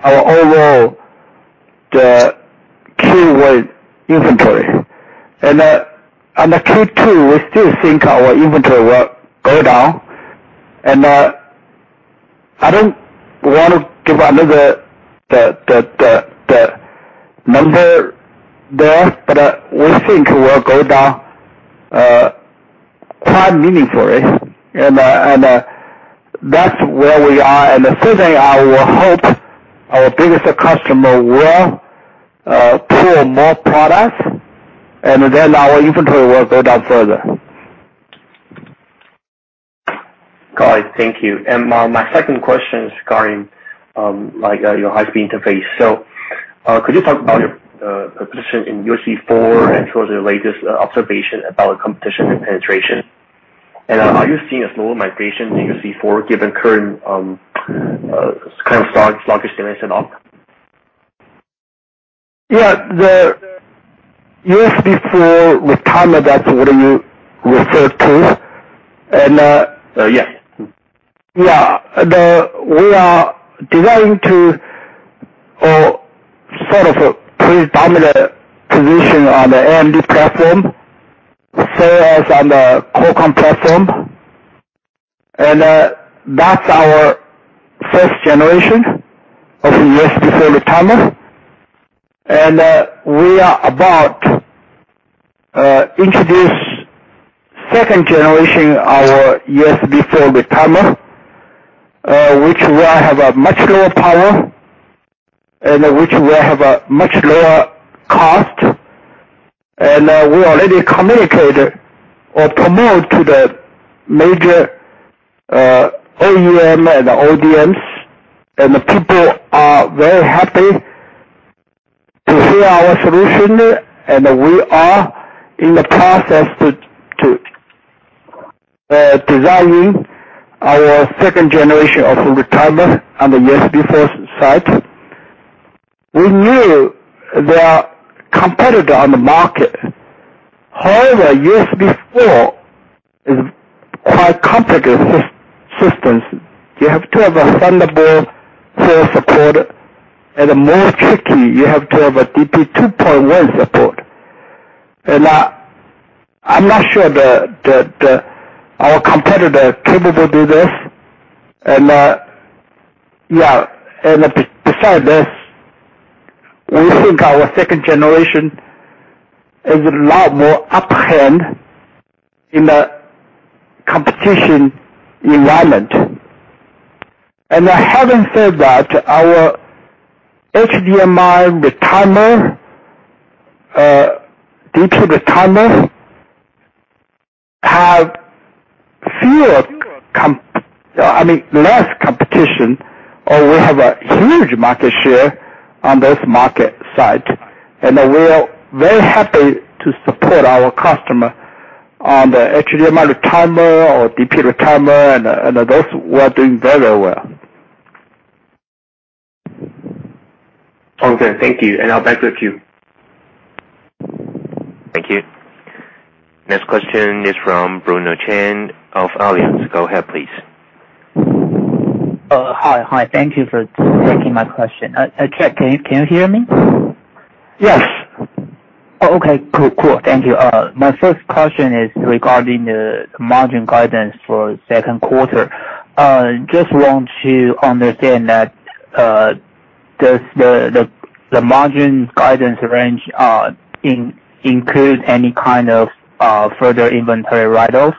[SPEAKER 4] our overall Q1 inventory. On the Q2, we still think our inventory will go down. I don't wanna give another number there, but we think it will go down quite meaningfully. That's where we are. The second thing, I will hope our biggest customer will pull more products, and then our inventory will go down further.
[SPEAKER 7] Got it. Thank you. My second question is regarding, like, your high-speed interface. Could you talk about your position in USB4 and towards your latest observation about competition and penetration? Are you seeing a slower migration to USB4 given current, kind of slower sluggishness and on?
[SPEAKER 4] Yeah. The USB4 retimer, that's what you referred to.
[SPEAKER 7] Yes.
[SPEAKER 4] Yeah. We are designing to a sort of a predominant position on the AMD platform, so as on the Qualcomm platform. That's our first generation of USB4 retimer. We are about introduce second generation our USB4 retimer, which will have a much lower power and which will have a much lower cost. We already communicated or promote to the major OEM and ODMs, and the people are very happy to hear our solution. We are in the process to designing our second generation of retimer on the USB4 side. We knew there are competitor on the market. However, USB4 is quite complicated systems. You have to have a Thunderbolt 4 support. More tricky, you have to have a DP 2.1 support. I'm not sure our competitor capable do this. Yeah. Besides this, we think our second generation is a lot more upper hand in the competition environment. Having said that, our HDMI retimer, DP retimer have fewer competition, I mean, less competition, or we have a huge market share on this market side, and we are very happy to support our customer on the HDMI retimer or DP retimer and those were doing very well.
[SPEAKER 7] Okay. Thank you. I'll back to you.
[SPEAKER 1] Thank you. Next question is from Bruno Chen of Allianz. Go ahead, please.
[SPEAKER 8] Hi. Thank you for taking my question. Check, can you hear me?
[SPEAKER 4] Yes.
[SPEAKER 8] Oh, okay. Cool. Thank you. My first question is regarding the margin guidance for second quarter. Just want to understand that, does the margin guidance range include any kind of further inventory write-offs?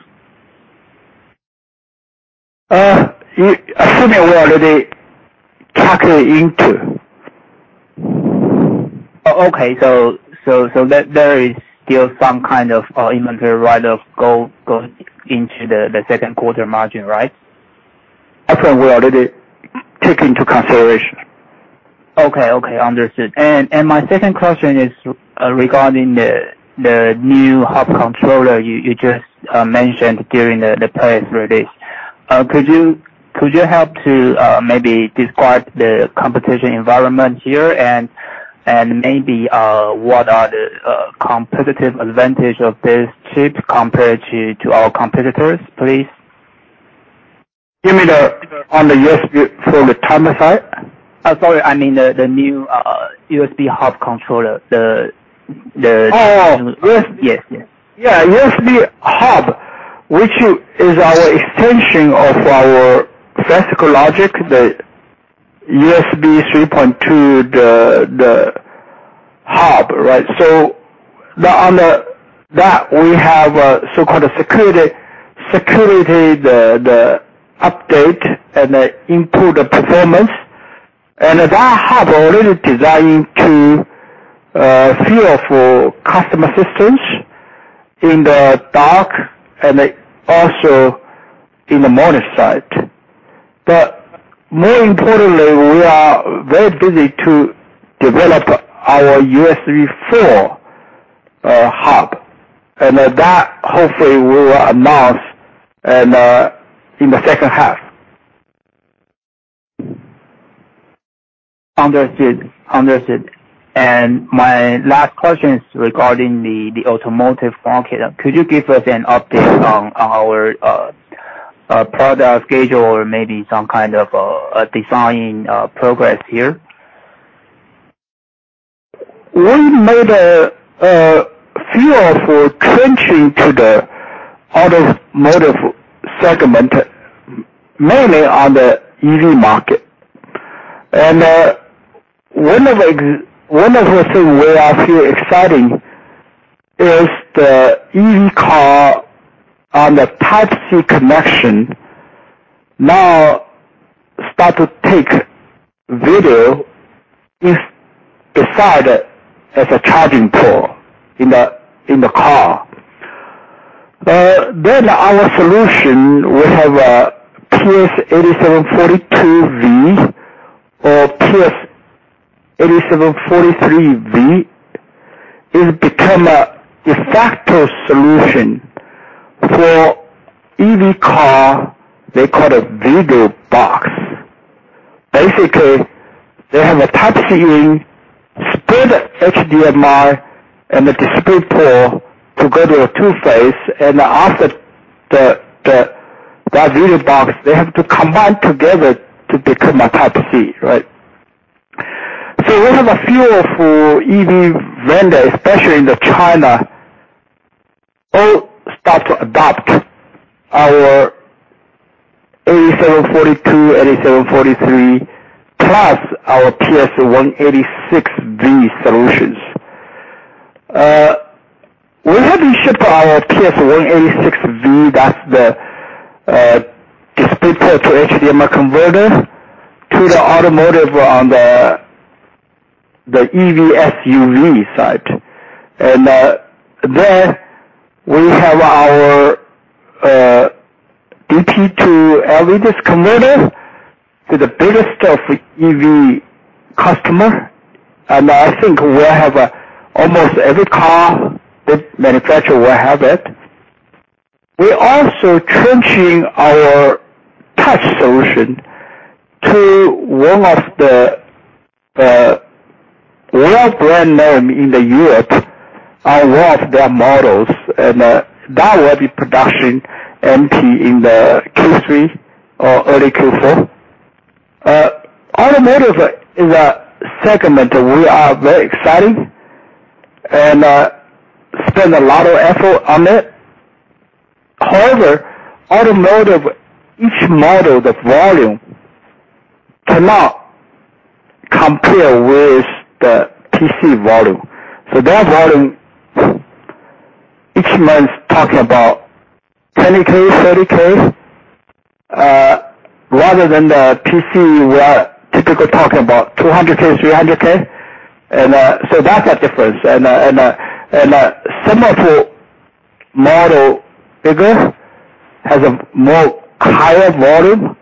[SPEAKER 4] I assume we already tucked it into.
[SPEAKER 8] Okay. So there is still some kind of inventory write-off go into the second quarter margin, right?
[SPEAKER 4] I think we already take into consideration.
[SPEAKER 8] Okay. Okay. Understood. My second question is regarding the new hub controller you just mentioned during the press release. Could you help to maybe describe the competition environment here and maybe what are the competitive advantage of this chip compared to our competitors, please?
[SPEAKER 4] Give me the, on the USB for the timer side?
[SPEAKER 8] Sorry. I mean the new USB hub controller.
[SPEAKER 4] Oh. USB.
[SPEAKER 8] Yes. Yes.
[SPEAKER 4] Yeah. USB hub, which is our extension of our physical logic, the USB 3.2, the hub, right? On the that, we have a so-called security, the update and improve the performance. That hub already designed to few of customer systems in the dock and also in the monitor side. More importantly, we are very busy to develop our USB4 hub, and that hopefully we'll announce in the second half.
[SPEAKER 8] Understood. My last question is regarding the automotive market. Could you give us an update on our product schedule or maybe some kind of design progress here?
[SPEAKER 4] We made a few of trenching to the automotive segment, mainly on the EV market. One of the thing we are feel exciting is the EV car on the Type-C connection now start to take video if beside as a charging port in the car. Our solution will have a PS8742V or PS8743V, is become a de facto solution for EV car, they call it video box. Basically, they have a Type-C in, split HDMI and the DisplayPort to go to a two-phase, and also that video box, they have to combine together to become a Type-C, right? We have a few of EV vendor, especially in the China, all start to adopt our PS8742V, PS8743V, plus our PS186V solutions. We haven't shipped our PS186V, that's the DisplayPort to HDMI converter to the automotive on the EV SUV side. Then we have our DP to LVDS converter to the biggest of EV customer, and I think we have almost every car manufacturer will have it. We're also trenching our touch solution to one of the well brand name in Europe on one of their models, and that will be production MP in the Q3 or early Q4. Automotive is a segment we are very exciting and spend a lot of effort on it. However, automotive, each model, the volume cannot compare with the PC volume. That volume each month talking about 10K, 30K. Rather than the PC, we are typically talking about 200K, 300K. That's a difference. Some of your model bigger has a more higher volume,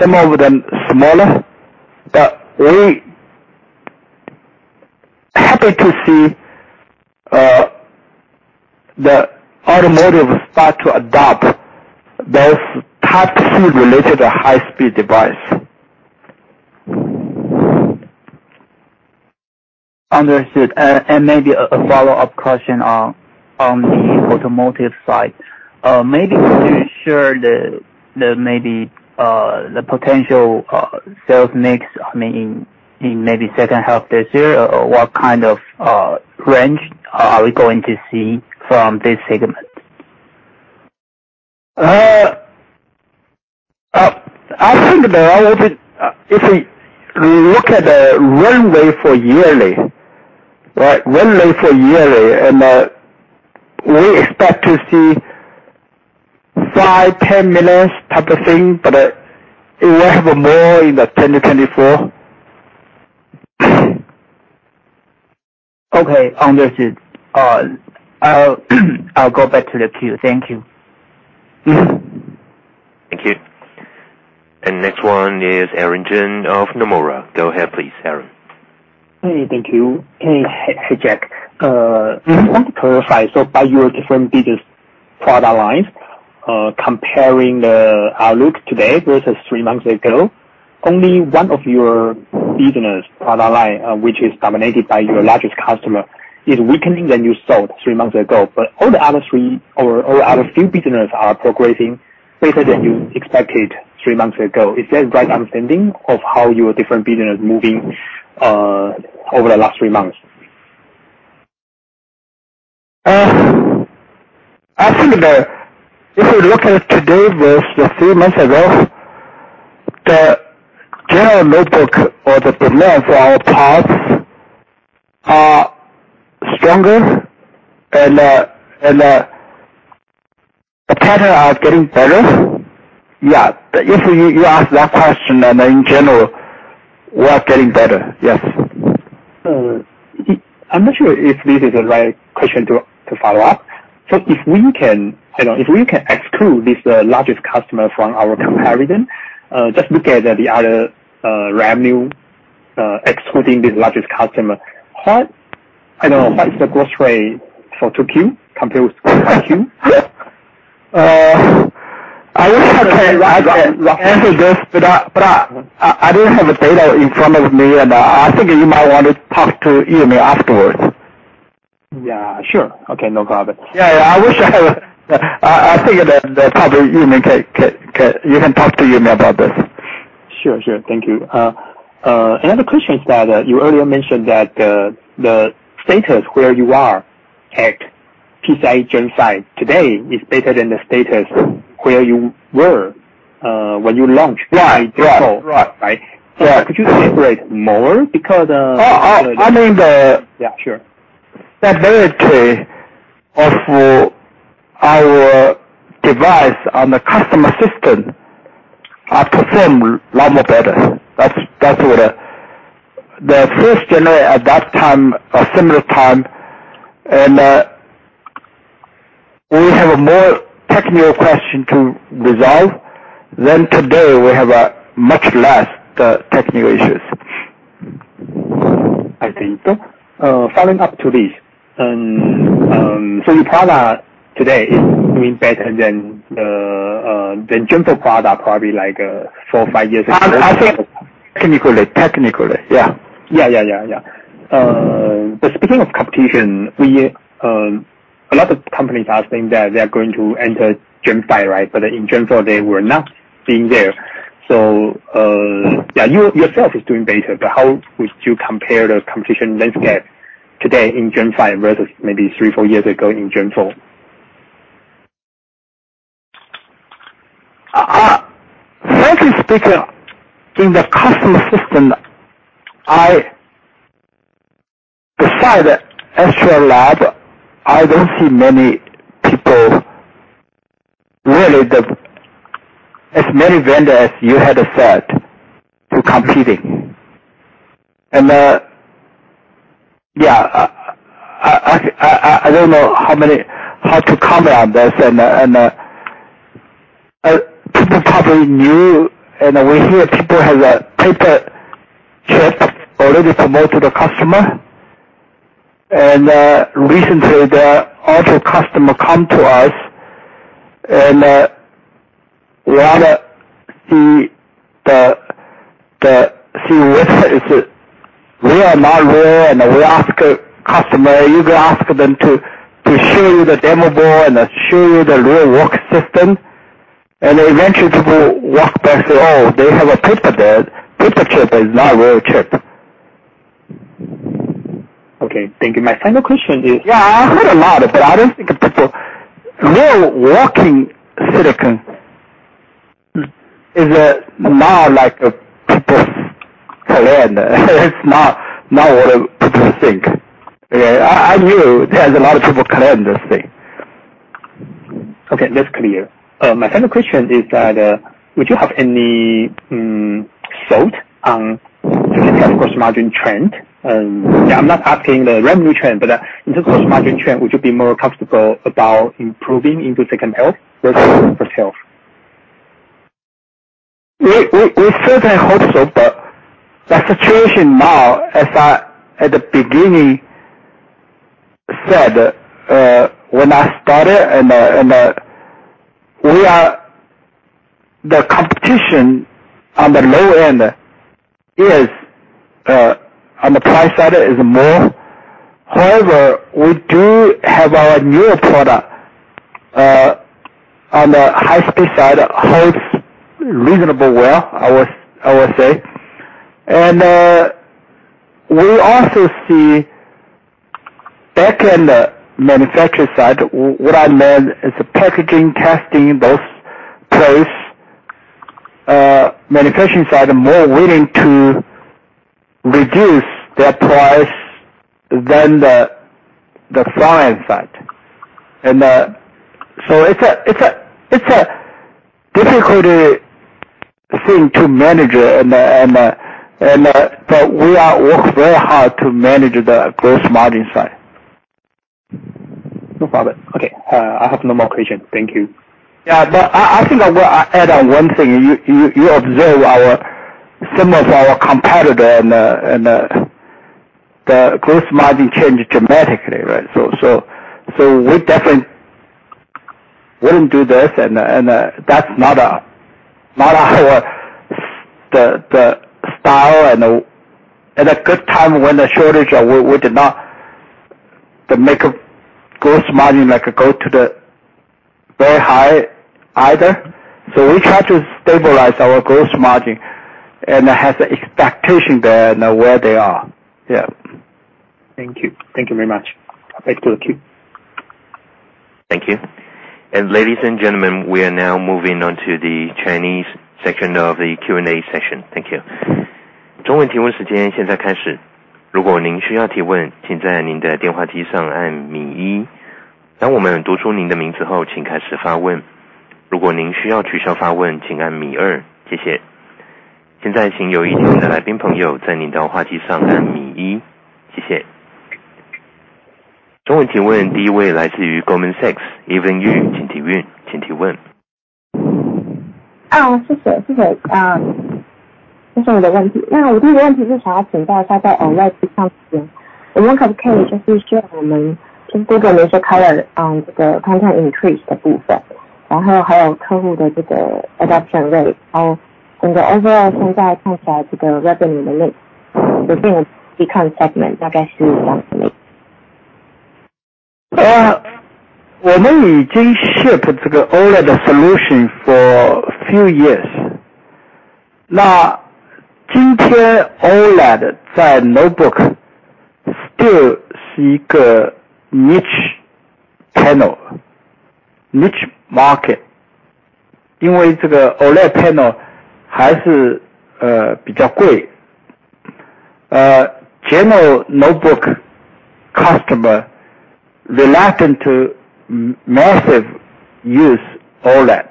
[SPEAKER 4] some of them smaller, but we happy to see the automotive start to adopt those Type-C related high-speed device.
[SPEAKER 8] Understood. Maybe a follow-up question on the automotive side. Maybe can you share the maybe the potential sales mix, I mean, in maybe second half this year, or what kind of range are we going to see from this segment?
[SPEAKER 4] I think if we look at the runway for yearly, right? Runway for yearly. We expect to see 5, 10 million type of thing. It will have more in 2024.
[SPEAKER 8] Okay. Understood. I'll go back to the queue. Thank you.
[SPEAKER 1] Thank you. Next one is Aaron Jeng of Nomura. Go ahead, please, Aaron.
[SPEAKER 9] Hey. Thank you. Hey, Jack.
[SPEAKER 4] Mm-hmm.
[SPEAKER 9] To clarify, by your different business product lines, comparing the outlook today versus three months ago, only one of your business product line, which is dominated by your largest customer, is weakening than you thought three months ago. All the other three or other few businesses are progressing better than you expected three months ago. Is that the right understanding of how your different business moving, over the last three months?
[SPEAKER 4] I think that if you look at today versus three months ago, the general notebook or the demand for our products are stronger and the pattern are getting better. If you ask that question and in general, we are getting better. Yes.
[SPEAKER 9] I'm not sure if this is the right question to follow up. If we can, you know, if we can exclude this largest customer from our comparison, just look at the other revenue, excluding the largest customer, what, I know, what's the growth rate for 2Q compared with 1Q?
[SPEAKER 4] I wish I can answer this, but I didn't have the data in front of me. I think you might want to talk to Yo-Ming Chang afterwards.
[SPEAKER 9] Yeah. Sure. Okay. No problem.
[SPEAKER 4] Yeah. I wish I had... I think the probably Yo-Ming Chang can. You can talk to Yo-Ming Chang about this.
[SPEAKER 9] Sure. Sure. Thank you. Another question is that you earlier mentioned that the status where you are at PCIe Gen 5 today is better than the status where you were, when you launched.
[SPEAKER 4] Right. Yeah.
[SPEAKER 9] in Gen 4.
[SPEAKER 4] Right.
[SPEAKER 9] Right?
[SPEAKER 4] Yeah.
[SPEAKER 9] Could you elaborate more? Because.
[SPEAKER 4] Oh, I mean
[SPEAKER 9] Yeah, sure.
[SPEAKER 4] Stability of our device on the customer system are perform lot more better. That's, that's what. The first generation at that time or similar time. We have a more technical question to resolve than today we have, much less, technical issues.
[SPEAKER 9] I see. Following up to this, your product today is doing better than Gen 4 product, probably like, four or five years ago.
[SPEAKER 4] I think. Technically. Yeah.
[SPEAKER 9] Speaking of competition, we, a lot of companies are saying that they're going to enter Gen 5, right? In Gen 4 they were not being there. Yeah, you yourself is doing better, but how would you compare the competition landscape today in Gen 5 versus maybe three, four years ago in Gen 4?
[SPEAKER 4] Frankly speaking, in the customer system, besides Astera Labs, I don't see many people, really as many vendors as you had said to competing. Yeah. I don't know how many, how to comment on this. People probably knew and we hear people have a paper chip already promoted to the customer. Recently there are also customer come to us, and we wanna see where is it. [inaudible] and we ask a customer, you go ask them to show you the demo board and show you the real work system. Eventually people walk back say, "Oh, they have a paper there. Paper chip is not real chip.
[SPEAKER 9] Okay. Thank you. My final question is.
[SPEAKER 4] Yeah, I heard a lot, but I don't think people real working silicon. It's not what people think. I knew there's a lot of people claim this thing.
[SPEAKER 9] Okay, that's clear. My second question is that would you have any thought on gross margin trend? I'm not asking the revenue trend, but in terms of margin trend, would you be more comfortable about improving into second half versus first half?
[SPEAKER 4] We certainly hope so. The situation now as I at the beginning said, when I started and the competition on the low end is on the price side is more. However, we do have our newer product on the high speed side holds reasonable well, I would say, and we also see back in the manufacturer side, what I meant is the packaging casting both place, manufacturing side are more willing to reduce their price than the client side. So it's a difficult thing to manage and but we are work very hard to manage the gross margin side.
[SPEAKER 9] No problem. Okay, I have no more question. Thank you.
[SPEAKER 4] I think I will add on one thing, you observe our some of our competitor and the gross margin changed dramatically, right? We definitely wouldn't do this. That's not our style. At a good time when the shortage we did not make a gross margin, like go to the very high either. We try to stabilize our gross margin and have the expectation that where they are.
[SPEAKER 8] Thank you. Thank you very much. Back to the queue.
[SPEAKER 1] Thank you. Ladies and gentlemen, we are now moving on to the Chinese section of the Q&A session. Thank you. 中文提问时间现在开始。如果您需要提 问， 请在您的电话机上按米一。当我们读出您的名字 后， 请开始发问。如果您需要取消发 问， 请按米二。谢谢。现在请有提问的来宾朋友在您电话机上按米一。谢谢。中文提问第一位来自于 Goldman Sachs, Evelyn Yu, 请提问。
[SPEAKER 10] 谢谢。这是我的问题。我的问题是想要请教一下在 OLED 上， 我们可不可以就是先我们听过了一些 color， 这个 content increase 的部 分， 还有客户的这个 adoption rate， 整个 overall 现在看起来这个 revenue 的 mix， 就这个 TCON segment 大概是怎样的 呢？
[SPEAKER 4] 我们已经 ship 这个 OLED solution for few years. 今天 OLED 在 notebook still 是一个 niche panel, niche market, 因为这个 OLED panel 还是比较 贵. general notebook customer reluctant to massive use OLED.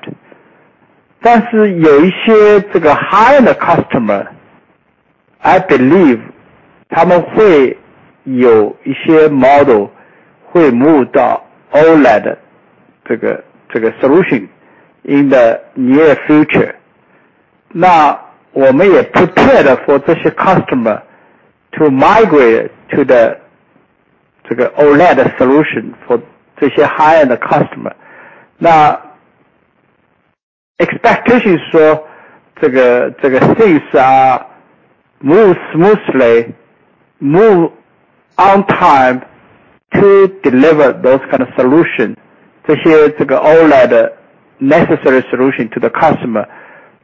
[SPEAKER 4] 有一些这个 high-end customer, I believe 他们会有一些 model 会 move 到 OLED 这个 solution in the near future. 我们也 prepared for 这些 customer to migrate to the 这个 OLED solution for 这些 high-end customer. expectations 这个 things are move smoothly, move on time to deliver those kind of solution, 这些这个 OLED necessary solution to the customer,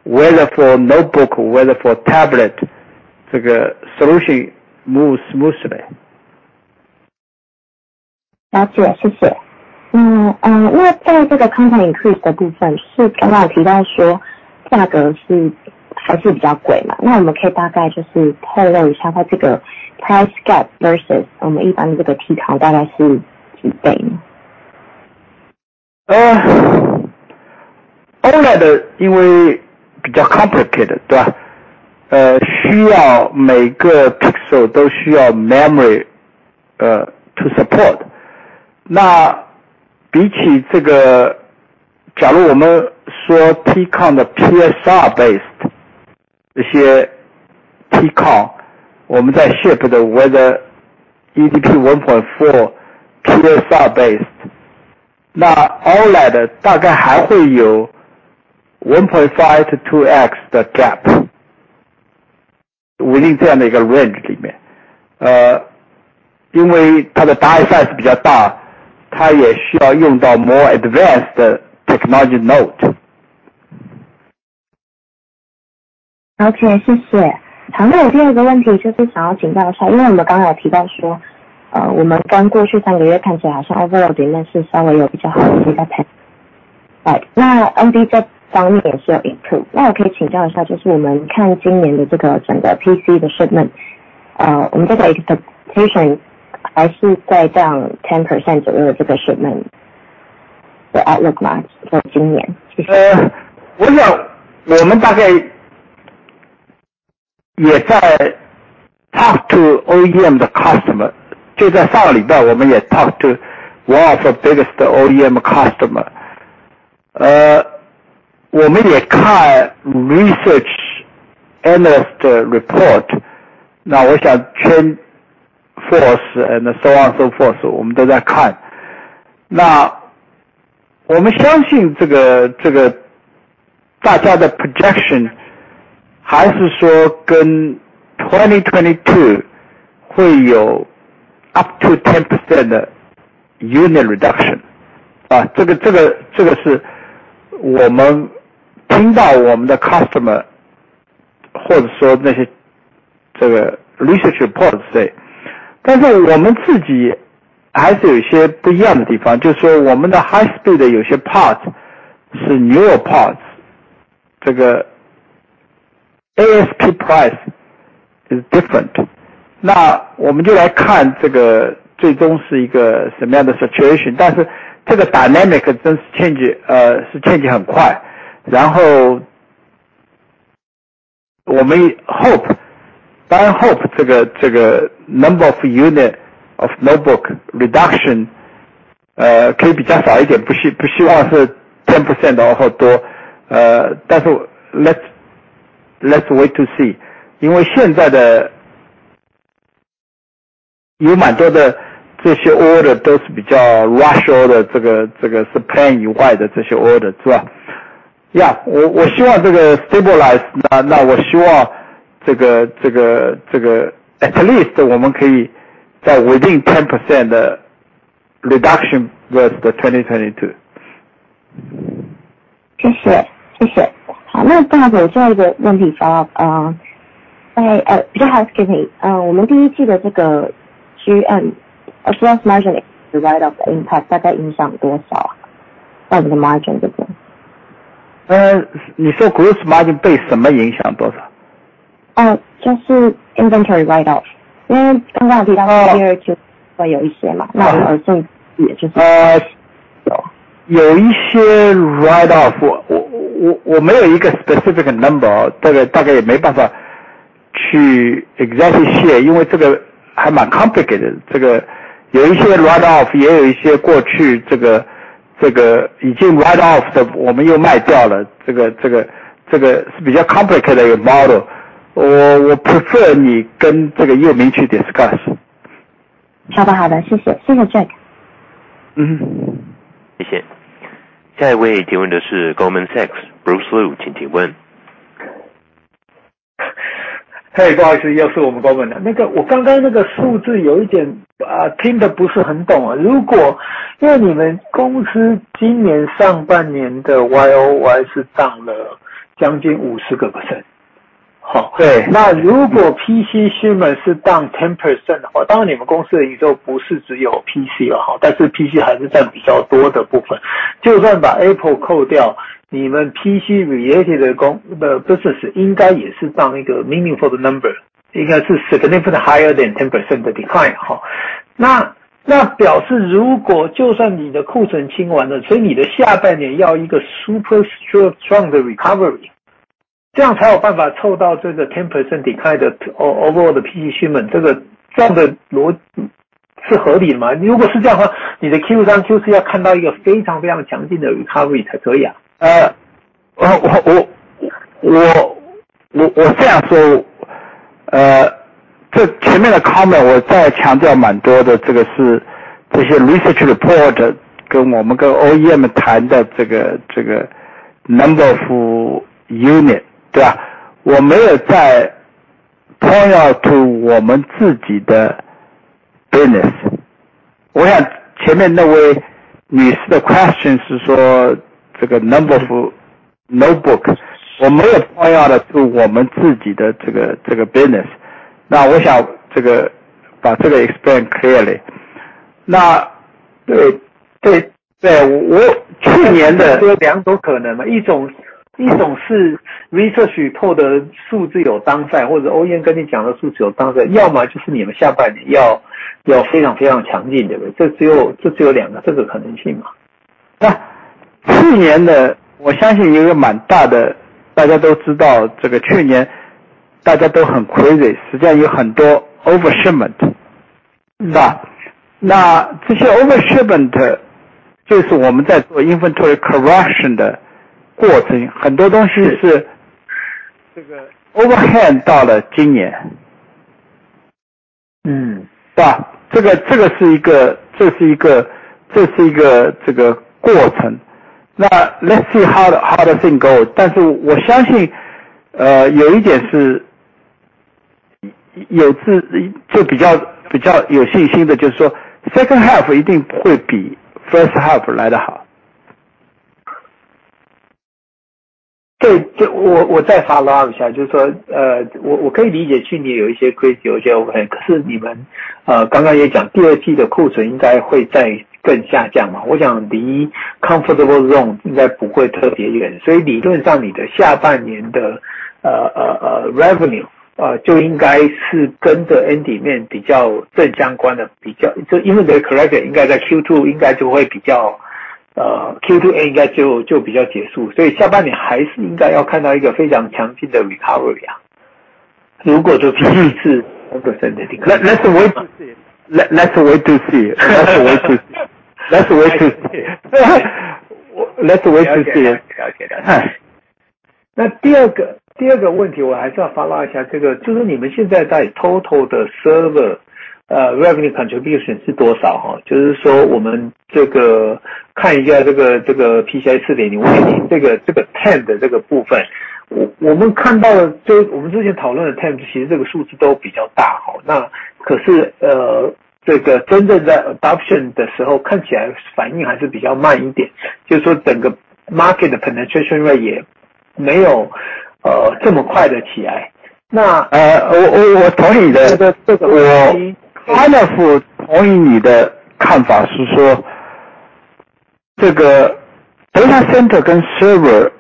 [SPEAKER 4] whether for notebook or whether for tablet, 这个 solution move smoothly.
[SPEAKER 10] 了 解， 谢谢。在这个 content increase 的部分是刚刚有提到说价格是还是比较贵 嘛， 我们可以大概就是透露一下它这个 price gap versus 我们一般这个 TCON 大概是几倍 呢？
[SPEAKER 4] OLED 因为比较 complicated, right? 需要每个 pixel 都需要 memory to support, 那比起 这个, 假如我们说 TCON 的 PSR based, 这些 TCON 我们在 ship 的 whether eDP 1.4 PSR based, 那 OLED 大概还会有 1.5x-2x 的 gap, 我认为这样的一个 range 里面. 因为它的 die size 比较 大, 它也需要用到 more advanced technology node.
[SPEAKER 10] 了 解， 谢谢。好 的， 我第二个问题就是想要请教一 下， 因为我们刚才有提到 说， 呃， 我们刚过去三个月看起来好像 overall 订单是稍微有比较好的一个 trend。Right。那 ND 这方面也是有 improve。那我可以请教一 下， 就是我们看今年的这个整个 PC 的 shipment， 呃， 我们这个 expectation 还是在降 ten percent 左右的这个 shipment 的 outlook 吗？ 就是今年。
[SPEAKER 4] 我想我们大概也在 talk to OEM 的 customer。就在上个礼拜我们也 talk to one of biggest OEM customer。我们也看 research analyst report，那我想 TrendForce and so on so forth 我们都在看。那我们相信这个大家的 projection 还是说跟 2022 会有 up to 10% unit reduction。这个是我们听到我们的 customer，或者说那些这个 research report 说。但是我们自己还是有一些不一样的地方，就是说我们的 high-speed 有些 parts 是 newer parts，这个 ASP price is different。那我们就来看这个最终是一个什么样的 situation，但是这个 dynamic does change，是 change 很快，然后我们 hope，当然 hope 这个 number of unit of notebook reduction，可以比较少一点，不希望是 10% 或者多。但是 let's wait to see。因为现在的有蛮多的这些 order 都是比较 rush order，这个是 plan 以外的这些 order，是吧？Yeah，我希望这个 stabilize，那我希望这个 at least 我们可以再 within 10% reduction with 2022。
[SPEAKER 10] 谢 谢， 谢谢。好， 不好意 思， 我最后一个问题 follow up。不好意思 ，excuse me。我们第一季的这个 GM，gross margin write off impact 大概影响多少 啊？ 在我们的 margin 这边。
[SPEAKER 4] 你说 gross margin 被什么影响多 少?
[SPEAKER 10] 就是 inventory write off. 刚刚提到 second quarter 会有一些 嘛, 那而这种也就 是.
[SPEAKER 4] 有一些 write off, 我没有一个 specific number. 这个大概也没办法去 exactly 卸, 因为这个还蛮 complicated. 这个有一些 write off, 也有一些过去这个已经 write off 的我们又卖掉 了. 这个是比较 complicated 一个 model. 我 prefer 你跟这个叶明去 discuss.
[SPEAKER 10] 好的好 的, 谢 谢. 谢谢 Jack.
[SPEAKER 4] 嗯。
[SPEAKER 1] 谢谢。下一位提问的是 Goldman Sachs Bruce Lu， 请提问。
[SPEAKER 11] Hey, 不好意 思, 又是我们 Goldman. 我刚才那个数字有一点听得不是很 懂. 因为你们公司今年上半年的 YoY 是 down 了将近 50%.
[SPEAKER 4] 对.
[SPEAKER 11] 如果 PC shipment 是 down 10% 的 话， 当然你们公司的业务不是只有 PC， 但是 PC 还是占比较多的 部分， 就算把 Apple 扣 掉， 你们 PC-related 的 business 应该也是 down 一个 meaningful 的 number， 应该是 significant higher than 10% decline. 表示如果就算你的库存清 完了， 所以你的下半年要一个 super strong 的 recovery， 这样才有办法凑到这个 10% decline 的 overall 的 PC shipment， 这样的逻辑是合理的 吗？ 如果是这样的 话， 你的 Q3 就是要看到一个非常非常强劲的 recovery 才可以。
[SPEAKER 4] 我这样说。这前面的 comment 我再强调蛮多 的， 这个是这些 research report 跟我 们， 跟 OEM 谈的这个 number of unit， 对 吧? 我没有在 point out to 我们自己的 business。我想前面那位女士的 question 是说这个 number of notebook， 我没有 point out to 我们自己的这个 business， 那我想这 个， 把这个 explain clearly。那对我去年的-
[SPEAKER 11] 两种可能嘛。一种是 research report 的数字有 downside， 或者 OEM 跟你讲的数字有 downside。要么就是你们下半年要非常强 劲， 对不 对？ 这只有两个这个可能性嘛。
[SPEAKER 4] 那去年的我相信有一个蛮大 的， 大家都知 道， 这个去年大家都很 crazy， 实际上有很多 overshipment， 是 吧？ 那这些 overshipment 就是我们在做 inventory correction 的过 程， 很多东西是这个 overhang 到了今年。
[SPEAKER 11] 嗯。
[SPEAKER 4] 是 吧？ 这个是一个这个过程。let's see how the thing goes. 我相 信， 有一点 是， 就比较有信心 的， 就是说 second half 一定不会比 first half 来得好。
[SPEAKER 11] 对, 这我再 follow up 一 下, 就是 说, 我可以理解去年有一些 crazy, 有一些问 题, 可是你 们, 刚刚也讲 Q2 的库存应该会再更下降 嘛, 我想离 comfortable zone 应该不会特别 远, 所以理论上你的下半年的 revenue 就应该是跟着 end demand 比较正相关 的, 比较就因为你的 correction 应该在 Q2 应该就会比 较, Q2 应该就比较结 束, 所以下半年还是应该要看到一个非常强劲的 recovery 啊.
[SPEAKER 4] 如果这次 let's wait to see.
[SPEAKER 11] 了解，了解。第二个问题我还是要 follow up 一下，这个就是你们现在在 total 的 server revenue contribution 是多少哦？我们看一下这个 PCIe 4.0 为例，这个 retimer 的这个部分，我们看到了，就我们之前讨论的 retimer，其实这个数字都比较大哦，可是这个真正 adoption 的时候看起来反应还是比较慢一点，整个 market 的 penetration rate 也没有这么快的起来。
[SPEAKER 4] 我同意的，我 kind of 同意你的看法是说这个 data center 跟 server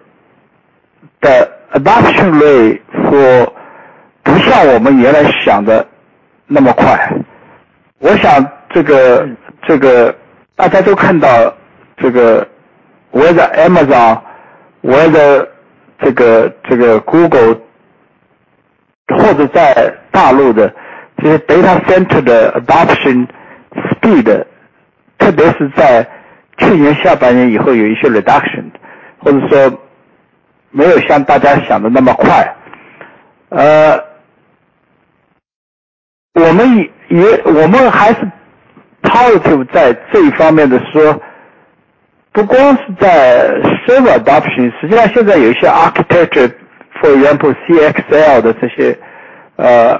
[SPEAKER 4] 的 adoption rate 不像我们原来想的那么 快. 我想大家都看 到， 无论 Amazon， 无论 Google 或者在大陆的这些 data center 的 adoption speed， 特别是在去年下半年以后有一些 reduction， 或者说没有像大家想的那么 快. 我们 也， 我们还是 positive 在这一方面的 说， 不光是在 server adoption， 实际上现在有一些 architecture，for example， CXL 的 newer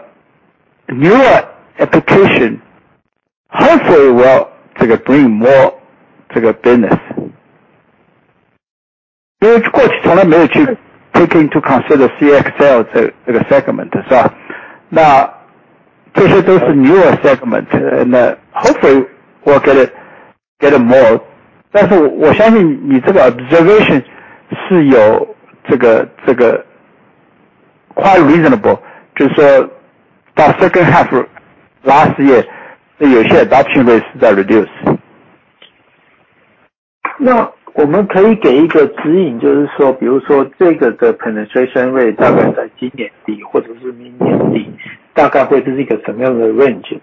[SPEAKER 4] application，hopefully will bring more business. Of course 从来没有去 take into consider CXL segment 是 吧， 都是 newer segment，hopefully will get it more. 我相信你 observation 是有 quite reasonable， 就是说 the second half last year， 有一些 adoption rates 在 reduce.
[SPEAKER 11] 我们可以给一个指 引， 比如说这个的 penetration rate 大概在今年底或者是明年底大概会是一个什么样的 range？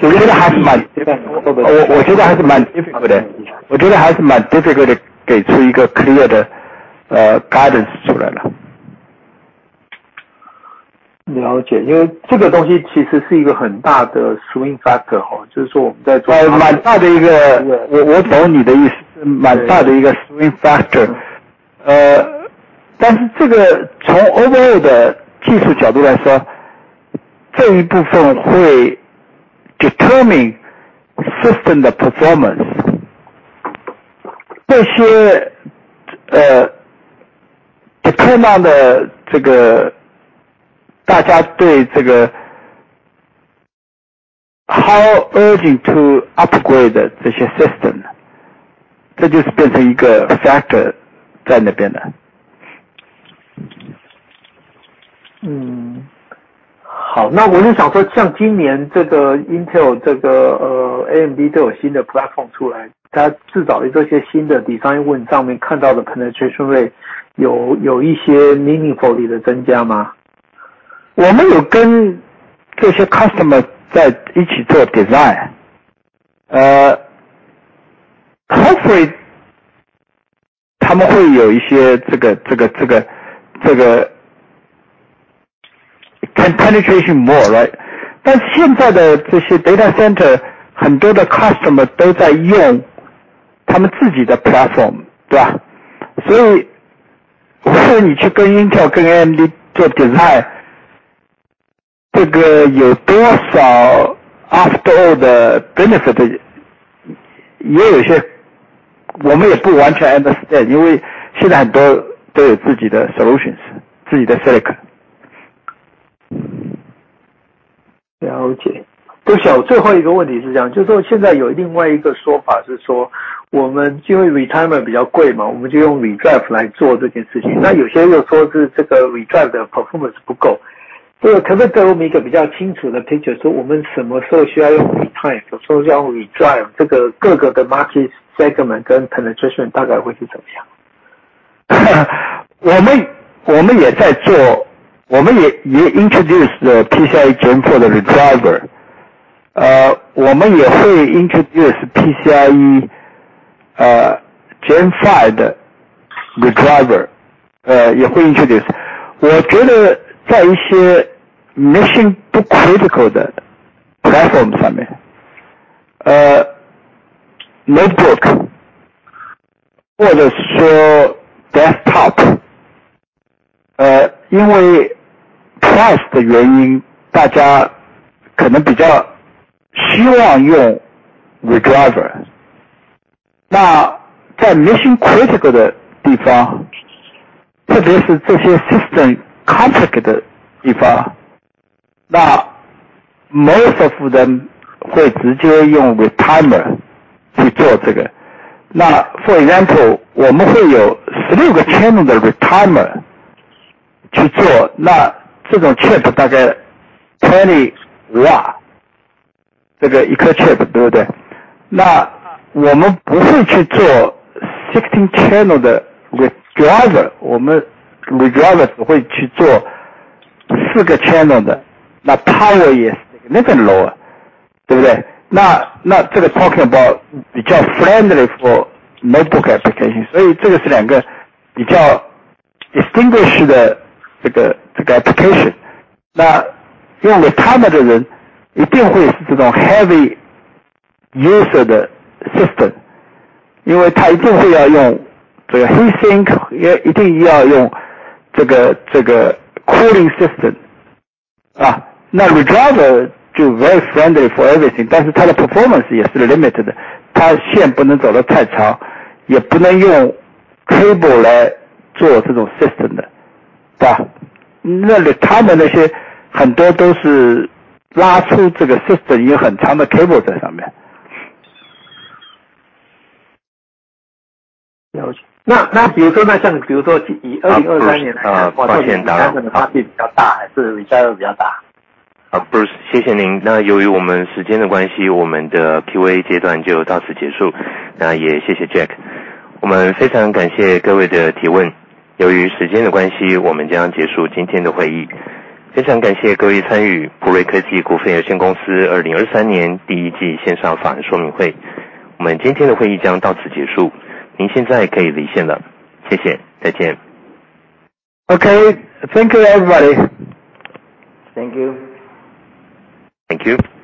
[SPEAKER 4] 我觉得还是蛮 difficult 的， 我觉得还是蛮 difficult 给出一个 clear 的 guidance 出来 的.
[SPEAKER 11] 了 解， 因为这个东西其实是一个很大的 swing factor 哦， 就是说我们在做。
[SPEAKER 4] 蛮大的一 个, 我懂你的意 思, 蛮大的一个 swing factor. 这个从 overall 的技术角度来 说, 这一部分会 determine system 的 performance. 这 些, depends on 的这个大家对这个 how urgent to upgrade 这些 system. 这就是变成一个 factor 在那边 了.
[SPEAKER 11] 好， 我就想说像今年这个 Intel， 这 个， AMD 都有新的 platform 出 来， 它至少有些新的 design win 上面看到的 penetration rate 有一些 meaningfully 的增加吗？
[SPEAKER 4] 我们有跟这些 customer 在一起做 design, hopefully 他们会有一些这个 penetration more, right? 现在的这些 data center 很多的 customer 都在用他们自己的 platform, right? 我说你去跟 Intel, 跟 AMD 做 design, 这个有多少 after all 的 benefit 也有一些我们也不完全 understand, 因为现在很多都有自己的 solutions, 自己的 silicon.
[SPEAKER 11] 了解。不知道最后一个问题是这 样， 就是说现在有另外一个说法是说我们因为 retimer 比较贵 嘛， 我们就用 redriver 来做这件事 情， 那有些又说是这个 redriver 的 performance 不够，这个可能给我们一个比较清楚的 picture， 说我们什么时候需要用 retimer， 什么时候要 redriver， 这个各各的 market segment 跟 penetration 大概会是怎么 样？
[SPEAKER 4] 我 们， 我们也在 做， 我们也 introduce PCIe Gen4 的 retimer， 我们也会 introduce PCIe Gen5 的 retimer， 也会 introduce. 我觉得在一些 mission 不 critical 的 platform 上 面， notebook， 或者说 desktop. 因为 price 的原 因， 大家可能比较希望用 redriver. 在 mission critical 的地 方， 特别是这些 system complicated 的地 方， most of them 会直接用 retimer 去做这 个. For example 我们会有16个 channel 的 retimer 去 做， 这种 chip 大概20 W， 这个一颗 chip， 对不 对？ 我们不会去做16 channel 的 redriver， 我们 redriver 只会去做4个 channel 的， power 也是 limited lower， 对不 对？ 这个 talking about 比较 friendly for notebook application， 所以这个是两个比较 distinguished 的这 个， 这个 application. 用 retimer 的人一定会是这种 heavy user 的 system， 因为他一定会要用这个 heat sink， 也一定也要用这 个， 这个 cooling system. Redriver 就 very friendly for everything， 但是它的 performance 也是 limited， 它线不能走得太 长， 也不能用 cable 来做这种 system 的， 是 吧？ Retimer 那些很多都是拉出这个 system 有很长的 cable 在上 面.
[SPEAKER 12] 了解。比如 说， 那像你比如说以2023年来看-
[SPEAKER 4] Bruce.
[SPEAKER 12] 发展差距比较 大, 还是比较 大.
[SPEAKER 1] 好 ，Bruce， 谢谢您。那由于我们时间的关 系， 我们的 QA 阶段就到此结束。那也谢谢 Jack。我们非常感谢各位的提问。由于时间的关 系， 我们将结束今天的会议。非常感谢各位参与谷瑞科技股份有限公司2023年第一季线上法说会。我们今天的会议将到此结束，您现在可以离线了。谢 谢， 再见。
[SPEAKER 4] Okay, thank you everybody.
[SPEAKER 12] Thank you.
[SPEAKER 1] Thank you.